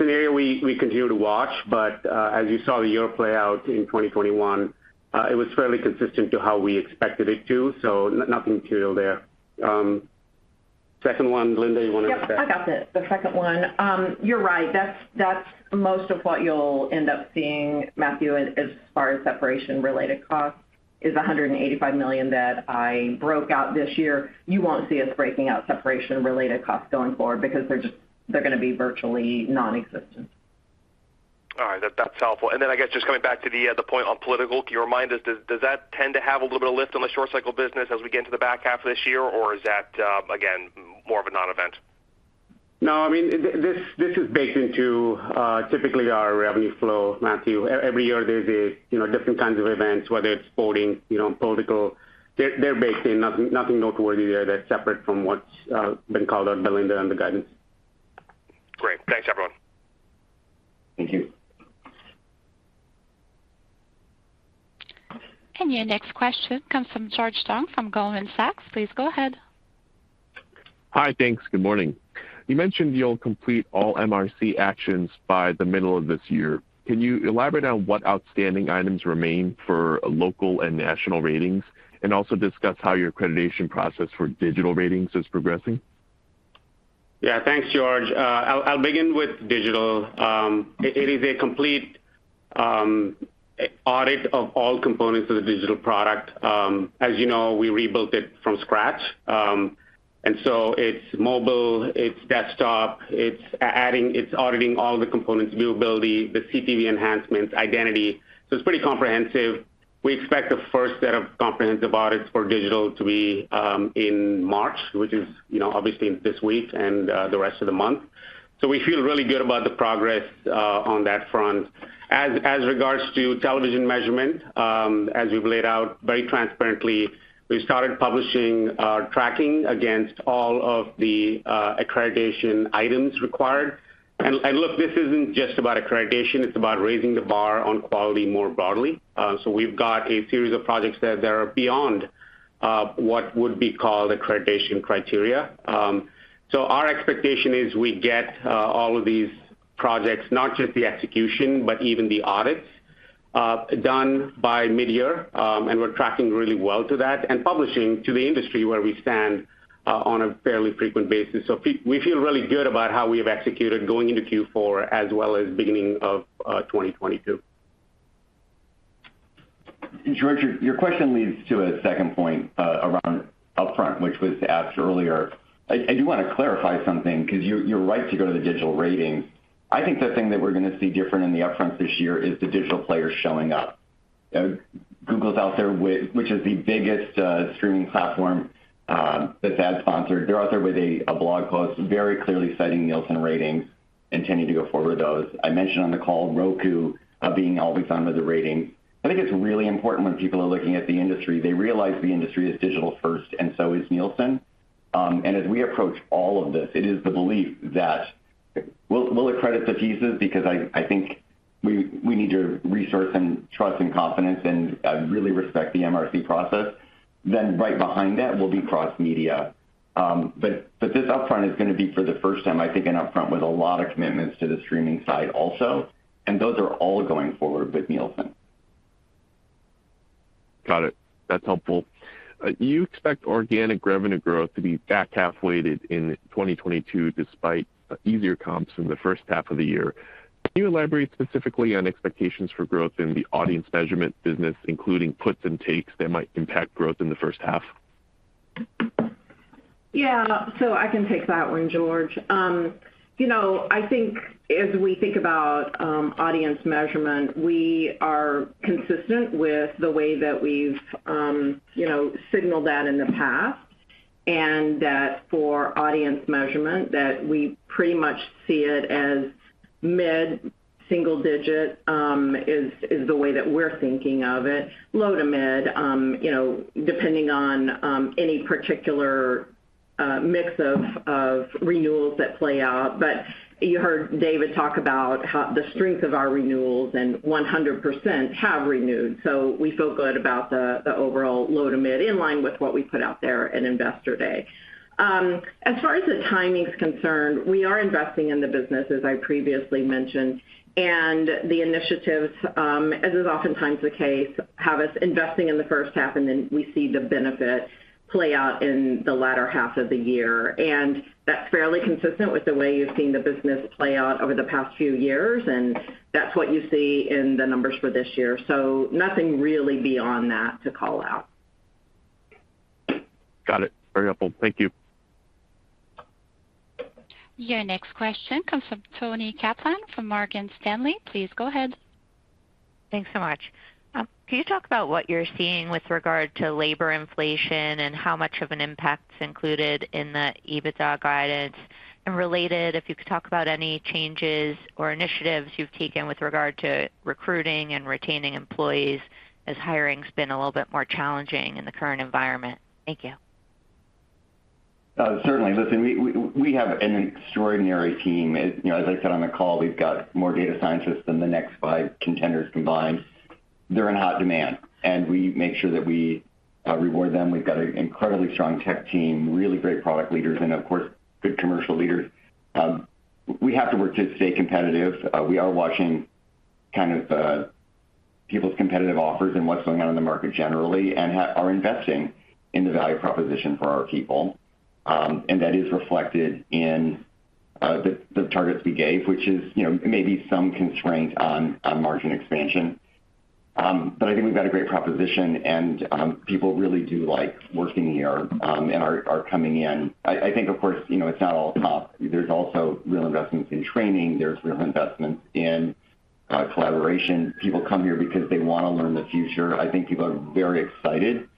S7: an area we continue to watch. As you saw the year play out in 2021, it was fairly consistent to how we expected it to, so nothing material there. Second one, Linda, you wanna-
S4: Yep, I got this. The second one. You're right. That's most of what you'll end up seeing, Matthew, as far as separation-related costs is $185 million that I broke out this year. You won't see us breaking out separation-related costs going forward because they're just gonna be virtually nonexistent.
S10: All right. That's helpful. I guess just coming back to the point on political. Can you remind us, does that tend to have a little bit of lift on the short cycle business as we get into the back half of this year? Or is that, again, more of a non-event?
S7: No. I mean, this is baked into typically our revenue flow, Matthew. Every year there's you know different kinds of events, whether it's sporting, you know, political. They're baked in. Nothing noteworthy there that's separate from what's been called out by Linda on the guidance.
S10: Great. Thanks, everyone.
S7: Thank you.
S1: Your next question comes from George Tong from Goldman Sachs. Please go ahead.
S11: Hi. Thanks. Good morning. You mentioned you'll complete all MRC actions by the middle of this year. Can you elaborate on what outstanding items remain for local and national ratings, and also discuss how your accreditation process for digital ratings is progressing?
S7: Yeah. Thanks, George. I'll begin with digital. It is a complete audit of all components of the digital product. As you know, we rebuilt it from scratch. It's mobile, it's desktop, it's auditing all the components, viewability, the CTV enhancements, identity. It's pretty comprehensive. We expect the first set of comprehensive audits for digital to be in March, which is, you know, obviously this week and the rest of the month. We feel really good about the progress on that front. As regards to television measurement, as we've laid out very transparently, we started publishing our tracking against all of the accreditation items required. Look, this isn't just about accreditation, it's about raising the bar on quality more broadly. We've got a series of projects that are beyond what would be called accreditation criteria. Our expectation is we get all of these projects, not just the execution, but even the audits done by midyear. We're tracking really well to that and publishing to the industry where we stand on a fairly frequent basis. We feel really good about how we have executed going into Q4 as well as beginning of 2022.
S4: George, your question leads to a second point around upfront, which was asked earlier. I do wanna clarify something because you're right to go to the digital ratings. I think the thing that we're gonna see different in the upfront this year is the digital players showing up. Google's out there with which is the biggest streaming platform that's ad-sponsored. They're out there with a blog post very clearly citing Nielsen ratings, intending to go forward with those. I mentioned on the call Roku being all based on with the rating. I think it's really important when people are looking at the industry, they realize the industry is digital first and so is Nielsen. As we approach all of this, it is the belief that we'll accredit the pieces because I think we need to restore trust and confidence, and really respect the MRC process. Right behind that will be cross-media. This upfront is gonna be for the first time, I think, an upfront with a lot of commitments to the streaming side also, and those are all going forward with Nielsen.
S11: Got it. That's helpful. You expect organic revenue growth to be back half-weighted in 2022 despite easier comps in the first half of the year. Can you elaborate specifically on expectations for growth in the audience measurement business, including puts and takes that might impact growth in the first half?
S4: Yeah. I can take that one, George. You know, I think as we think about audience measurement, we are consistent with the way that we've you know, signaled that in the past. That for audience measurement, that we pretty much see it as mid-single digit is the way that we're thinking of it. Low to mid you know, depending on any particular mix of renewals that play out. You heard David Kenny talk about how the strength of our renewals, and 100% have renewed. We feel good about the overall low to mid, in line with what we put out there in Investor Day. As far as the timing's concerned, we are investing in the business, as I previously mentioned. The initiatives, as is oftentimes the case, have us investing in the first half, and then we see the benefit play out in the latter half of the year. That's fairly consistent with the way you've seen the business play out over the past few years, and that's what you see in the numbers for this year. Nothing really beyond that to call out.
S11: Got it. Very helpful. Thank you.
S1: Your next question comes from Toni Kaplan from Morgan Stanley. Please go ahead.
S12: Thanks so much. Can you talk about what you're seeing with regard to labor inflation and how much of an impact is included in the EBITDA guidance? Related, if you could talk about any changes or initiatives you've taken with regard to recruiting and retaining employees as hiring's been a little bit more challenging in the current environment. Thank you.
S7: Certainly. Listen, we have an extraordinary team. As you know, as I said on the call, we've got more data scientists than the next five contenders combined. They're in hot demand, and we make sure that we reward them. We've got an incredibly strong tech team, really great product leaders, and of course, good commercial leaders. We have to work to stay competitive. We are watching kind of
S3: People's competitive offers and what's going on in the market generally and are investing in the value proposition for our people. That is reflected in the targets we gave, which is, you know, maybe some constraint on margin expansion. I think we've got a great proposition, and people really do like working here and are coming in. I think, of course, you know, it's not all comp. There's also real investments in training, there's real investments in collaboration. People come here because they wanna learn the future. I think people are very excited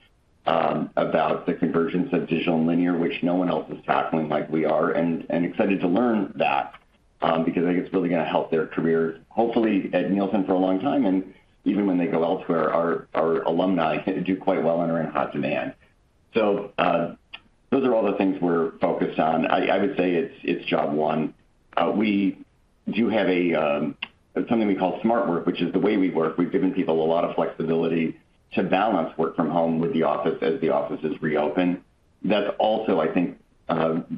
S3: about the convergence of digital and linear, which no one else is tackling like we are, and excited to learn that, because I think it's really gonna help their careers, hopefully at Nielsen for a long time. Even when they go elsewhere, our alumni do quite well and are in hot demand. Those are all the things we're focused on. I would say it's job one. We do have something we call Smart Work, which is the way we work. We've given people a lot of flexibility to balance work from home with the office as the office is reopened. That's also, I think,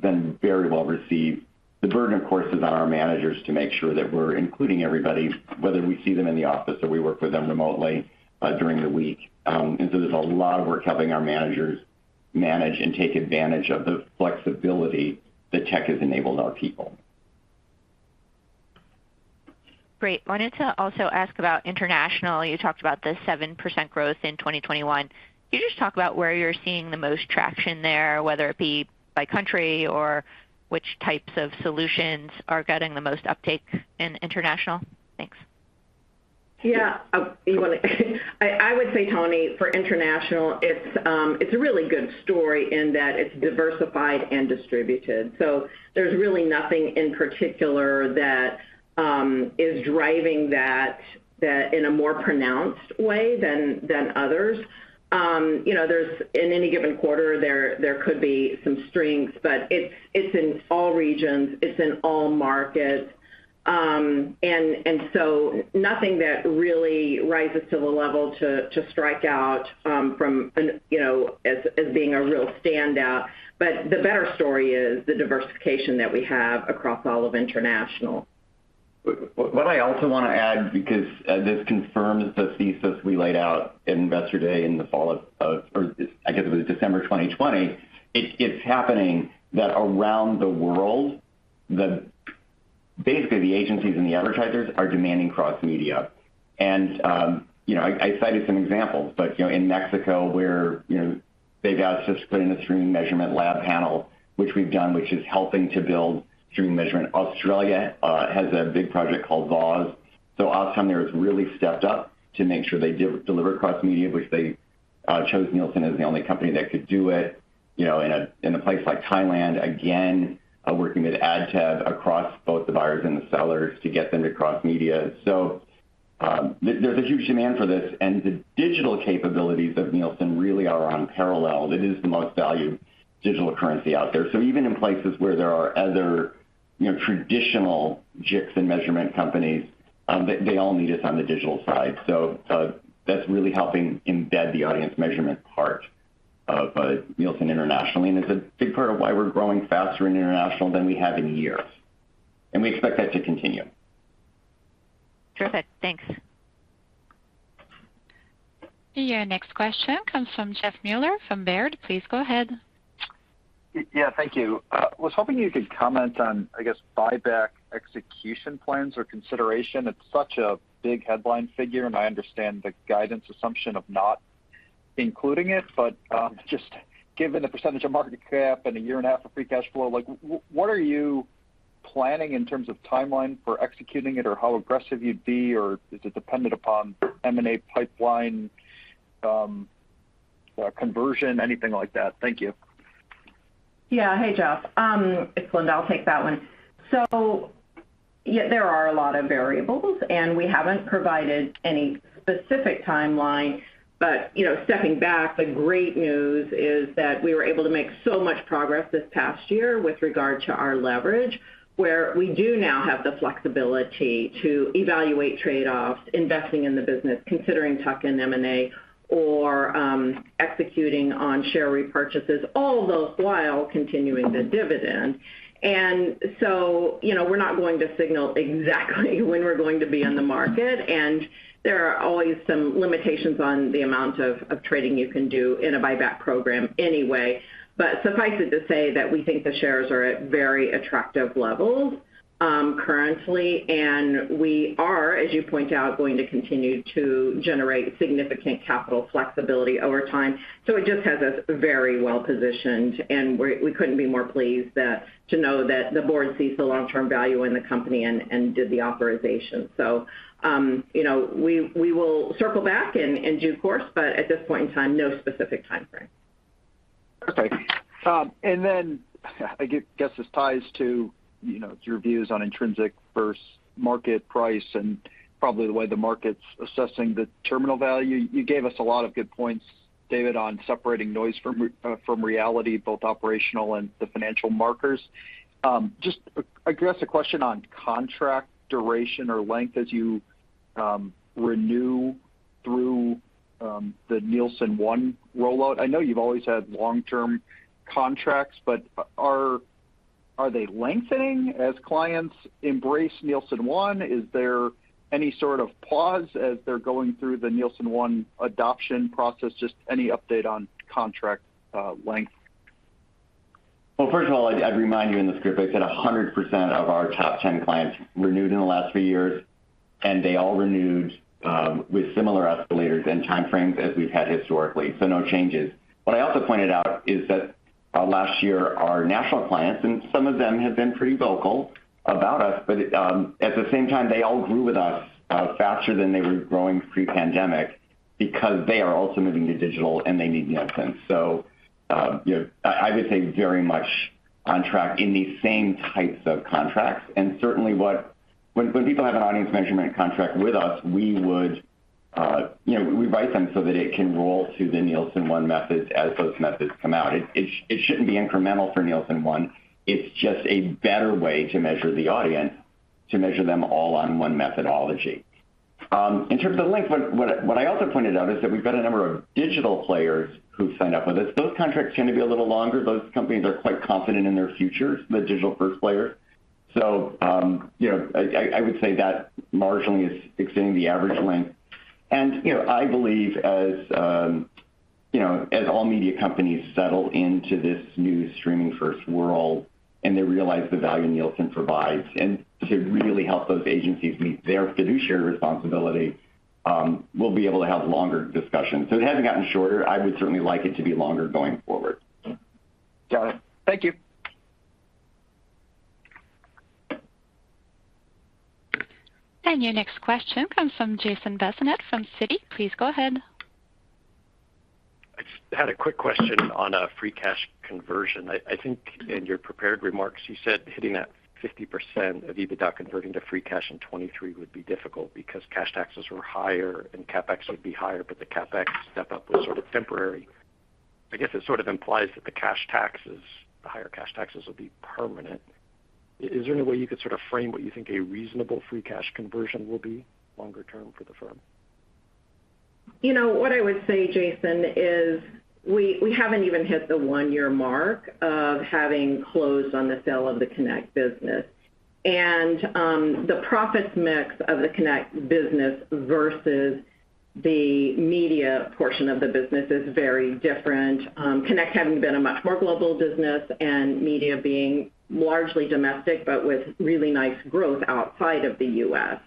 S3: been very well received. The burden, of course, is on our managers to make sure that we're including everybody, whether we see them in the office or we work with them remotely during the week. There's a lot of work helping our managers manage and take advantage of the flexibility that tech has enabled our people.
S12: Great. I wanted to also ask about international. You talked about the 7% growth in 2021. Can you just talk about where you're seeing the most traction there, whether it be by country or which types of solutions are getting the most uptake in international? Thanks.
S4: I would say, Toni, for international, it's a really good story in that it's diversified and distributed. There's really nothing in particular that is driving that in a more pronounced way than others. You know, in any given quarter there could be some strengths, but it's in all regions, it's in all markets. And so nothing that really rises to the level to strike out from an, you know, as being a real standout. The better story is the diversification that we have across all of international.
S3: What I also wanna add, because this confirms the thesis we laid out in Investor Day in the fall of or I guess it was December 2020. It's happening that around the world, basically, the agencies and the advertisers are demanding cross-media. You know, I cited some examples. You know, in Mexico, where they've asked us to put in a streaming measurement lab panel, which we've done, which is helping to build streaming measurement. Australia has a big project called VOZ. OzTAM there has really stepped up to make sure they deliver cross-media, which they chose Nielsen as the only company that could do it. You know, in a place like Thailand, again, working with ad tab across both the buyers and the sellers to get them to cross media. There's a huge demand for this, and the digital capabilities of Nielsen really are unparalleled. It is the most valued digital currency out there. Even in places where there are other, you know, traditional JICs and measurement companies, they all need us on the digital side. That's really helping embed the audience measurement part of Nielsen International. It's a big part of why we're growing faster in international than we have in years, and we expect that to continue.
S12: Terrific. Thanks.
S1: Your next question comes from Jeff Meuler from Baird. Please go ahead.
S13: Yeah. Thank you. I was hoping you could comment on, I guess, buyback execution plans or consideration. It's such a big headline figure, and I understand the guidance assumption of not including it, but just given the percentage of market cap and a year and a half of free cash flow, like what are you planning in terms of timeline for executing it, or how aggressive you'd be, or is it dependent upon M&A pipeline, conversion, anything like that? Thank you.
S4: Yeah. Hey, Jeff. It's Linda. I'll take that one. Yeah, there are a lot of variables, and we haven't provided any specific timeline. You know, stepping back, the great news is that we were able to make so much progress this past year with regard to our leverage, where we do now have the flexibility to evaluate trade-offs, investing in the business, considering tuck-in M&A, or executing on share repurchases, all those while continuing the dividend. You know, we're not going to signal exactly when we're going to be in the market, and there are always some limitations on the amount of trading you can do in a buyback program anyway. Suffice it to say that we think the shares are at very attractive levels, currently, and we are, as you point out, going to continue to generate significant capital flexibility over time. It just has us very well positioned, and we couldn't be more pleased that to know that the board sees the long-term value in the company and did the authorization. You know, we will circle back in due course, but at this point in time, no specific timeframe.
S13: Okay. I guess this ties to, you know, your views on intrinsic versus market price and probably the way the market's assessing the terminal value. You gave us a lot of good points, David, on separating noise from reality, both operational and the financial metrics. Just, I guess a question on contract duration or length as you renew through the Nielsen ONE rollout. I know you've always had long-term contracts, but are they lengthening as clients embrace Nielsen ONE? Is there any sort of pause as they're going through the Nielsen ONE adoption process? Just any update on contract length.
S3: Well, first of all, I'd remind you in the script, I said 100% of our top 10 clients renewed in the last three years, and they all renewed with similar escalators and time frames as we've had historically. No changes. What I also pointed out is that last year, our national clients, and some of them have been pretty vocal about us, but at the same time, they all grew with us faster than they were growing pre-pandemic because they are also moving to digital, and they need Nielsen. You know, I would say very much on track in these same types of contracts. Certainly when people have an audience measurement contract with us, we would, you know, we write them so that it can roll to the Nielsen ONE method as those methods come out. It shouldn't be incremental for Nielsen ONE. It's just a better way to measure the audience, to measure them all on one methodology. In terms of length, what I also pointed out is that we've got a number of digital players who've signed up with us. Those contracts tend to be a little longer. Those companies are quite confident in their futures, the digital-first players. You know, I would say that marginally is extending the average length. You know, I believe as you know, as all media companies settle into this new streaming-first world, and they realize the value Nielsen provides and to really help those agencies meet their fiduciary responsibility, we'll be able to have longer discussions. It hasn't gotten shorter. I would certainly like it to be longer going forward.
S13: Got it. Thank you.
S1: Your next question comes from Jason Bazinet from Citi. Please go ahead.
S14: I just had a quick question on free cash conversion. I think in your prepared remarks, you said hitting that 50% of EBITDA converting to free cash in 2023 would be difficult because cash taxes were higher and CapEx would be higher, but the CapEx step-up was sort of temporary. I guess it sort of implies that the cash taxes, the higher cash taxes will be permanent. Is there any way you could sort of frame what you think a reasonable free cash conversion will be longer term for the firm?
S4: You know, what I would say, Jason, is we haven't even hit the one-year mark of having closed on the sale of the Connect business. The profits mix of the Connect business versus the media portion of the business is very different, Connect having been a much more global business and media being largely domestic, but with really nice growth outside of the U.S.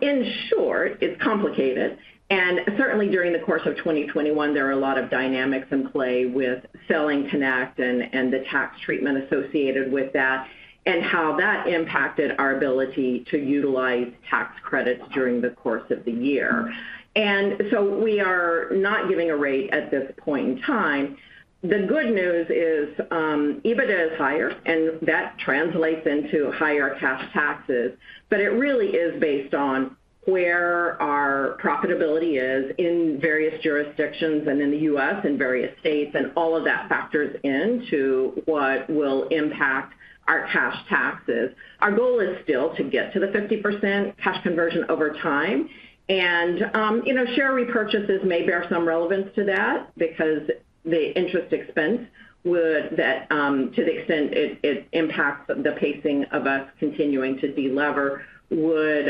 S4: In short, it's complicated. Certainly during the course of 2021, there are a lot of dynamics in play with selling Connect and the tax treatment associated with that and how that impacted our ability to utilize tax credits during the course of the year. We are not giving a rate at this point in time. The good news is, EBITDA is higher, and that translates into higher cash taxes. It really is based on where our profitability is in various jurisdictions and in the U.S. and various states, and all of that factors into what will impact our cash taxes. Our goal is still to get to the 50% cash conversion over time. You know, share repurchases may bear some relevance to that because the interest expense, to the extent it impacts the pacing of us continuing to delever, would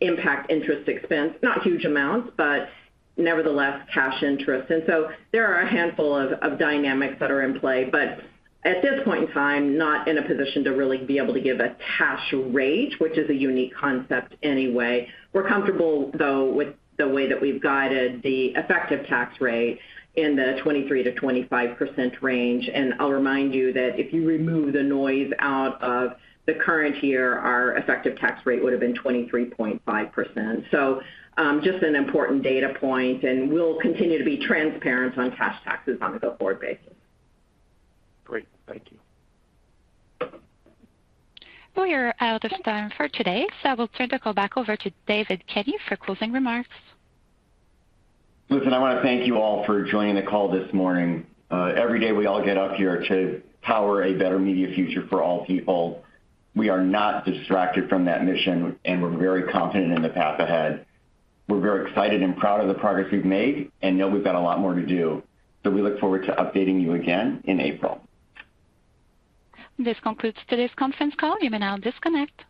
S4: impact interest expense, not huge amounts, but nevertheless, cash interest. There are a handful of dynamics that are in play. At this point in time, not in a position to really be able to give a cash rate, which is a unique concept anyway. We're comfortable, though, with the way that we've guided the effective tax rate in the 23%-25% range. I'll remind you that if you remove the noise out of the current year, our effective tax rate would have been 23.5%. Just an important data point, and we'll continue to be transparent on cash taxes on a go-forward basis.
S14: Great. Thank you.
S1: We are out of time for today, so I will turn the call back over to David Kenny for closing remarks.
S3: Listen, I want to thank you all for joining the call this morning. Every day, we all get up here to power a better media future for all people. We are not distracted from that mission, and we're very confident in the path ahead. We're very excited and proud of the progress we've made and know we've got a lot more to do. We look forward to updating you again in April.
S1: This concludes today's conference call. You may now disconnect.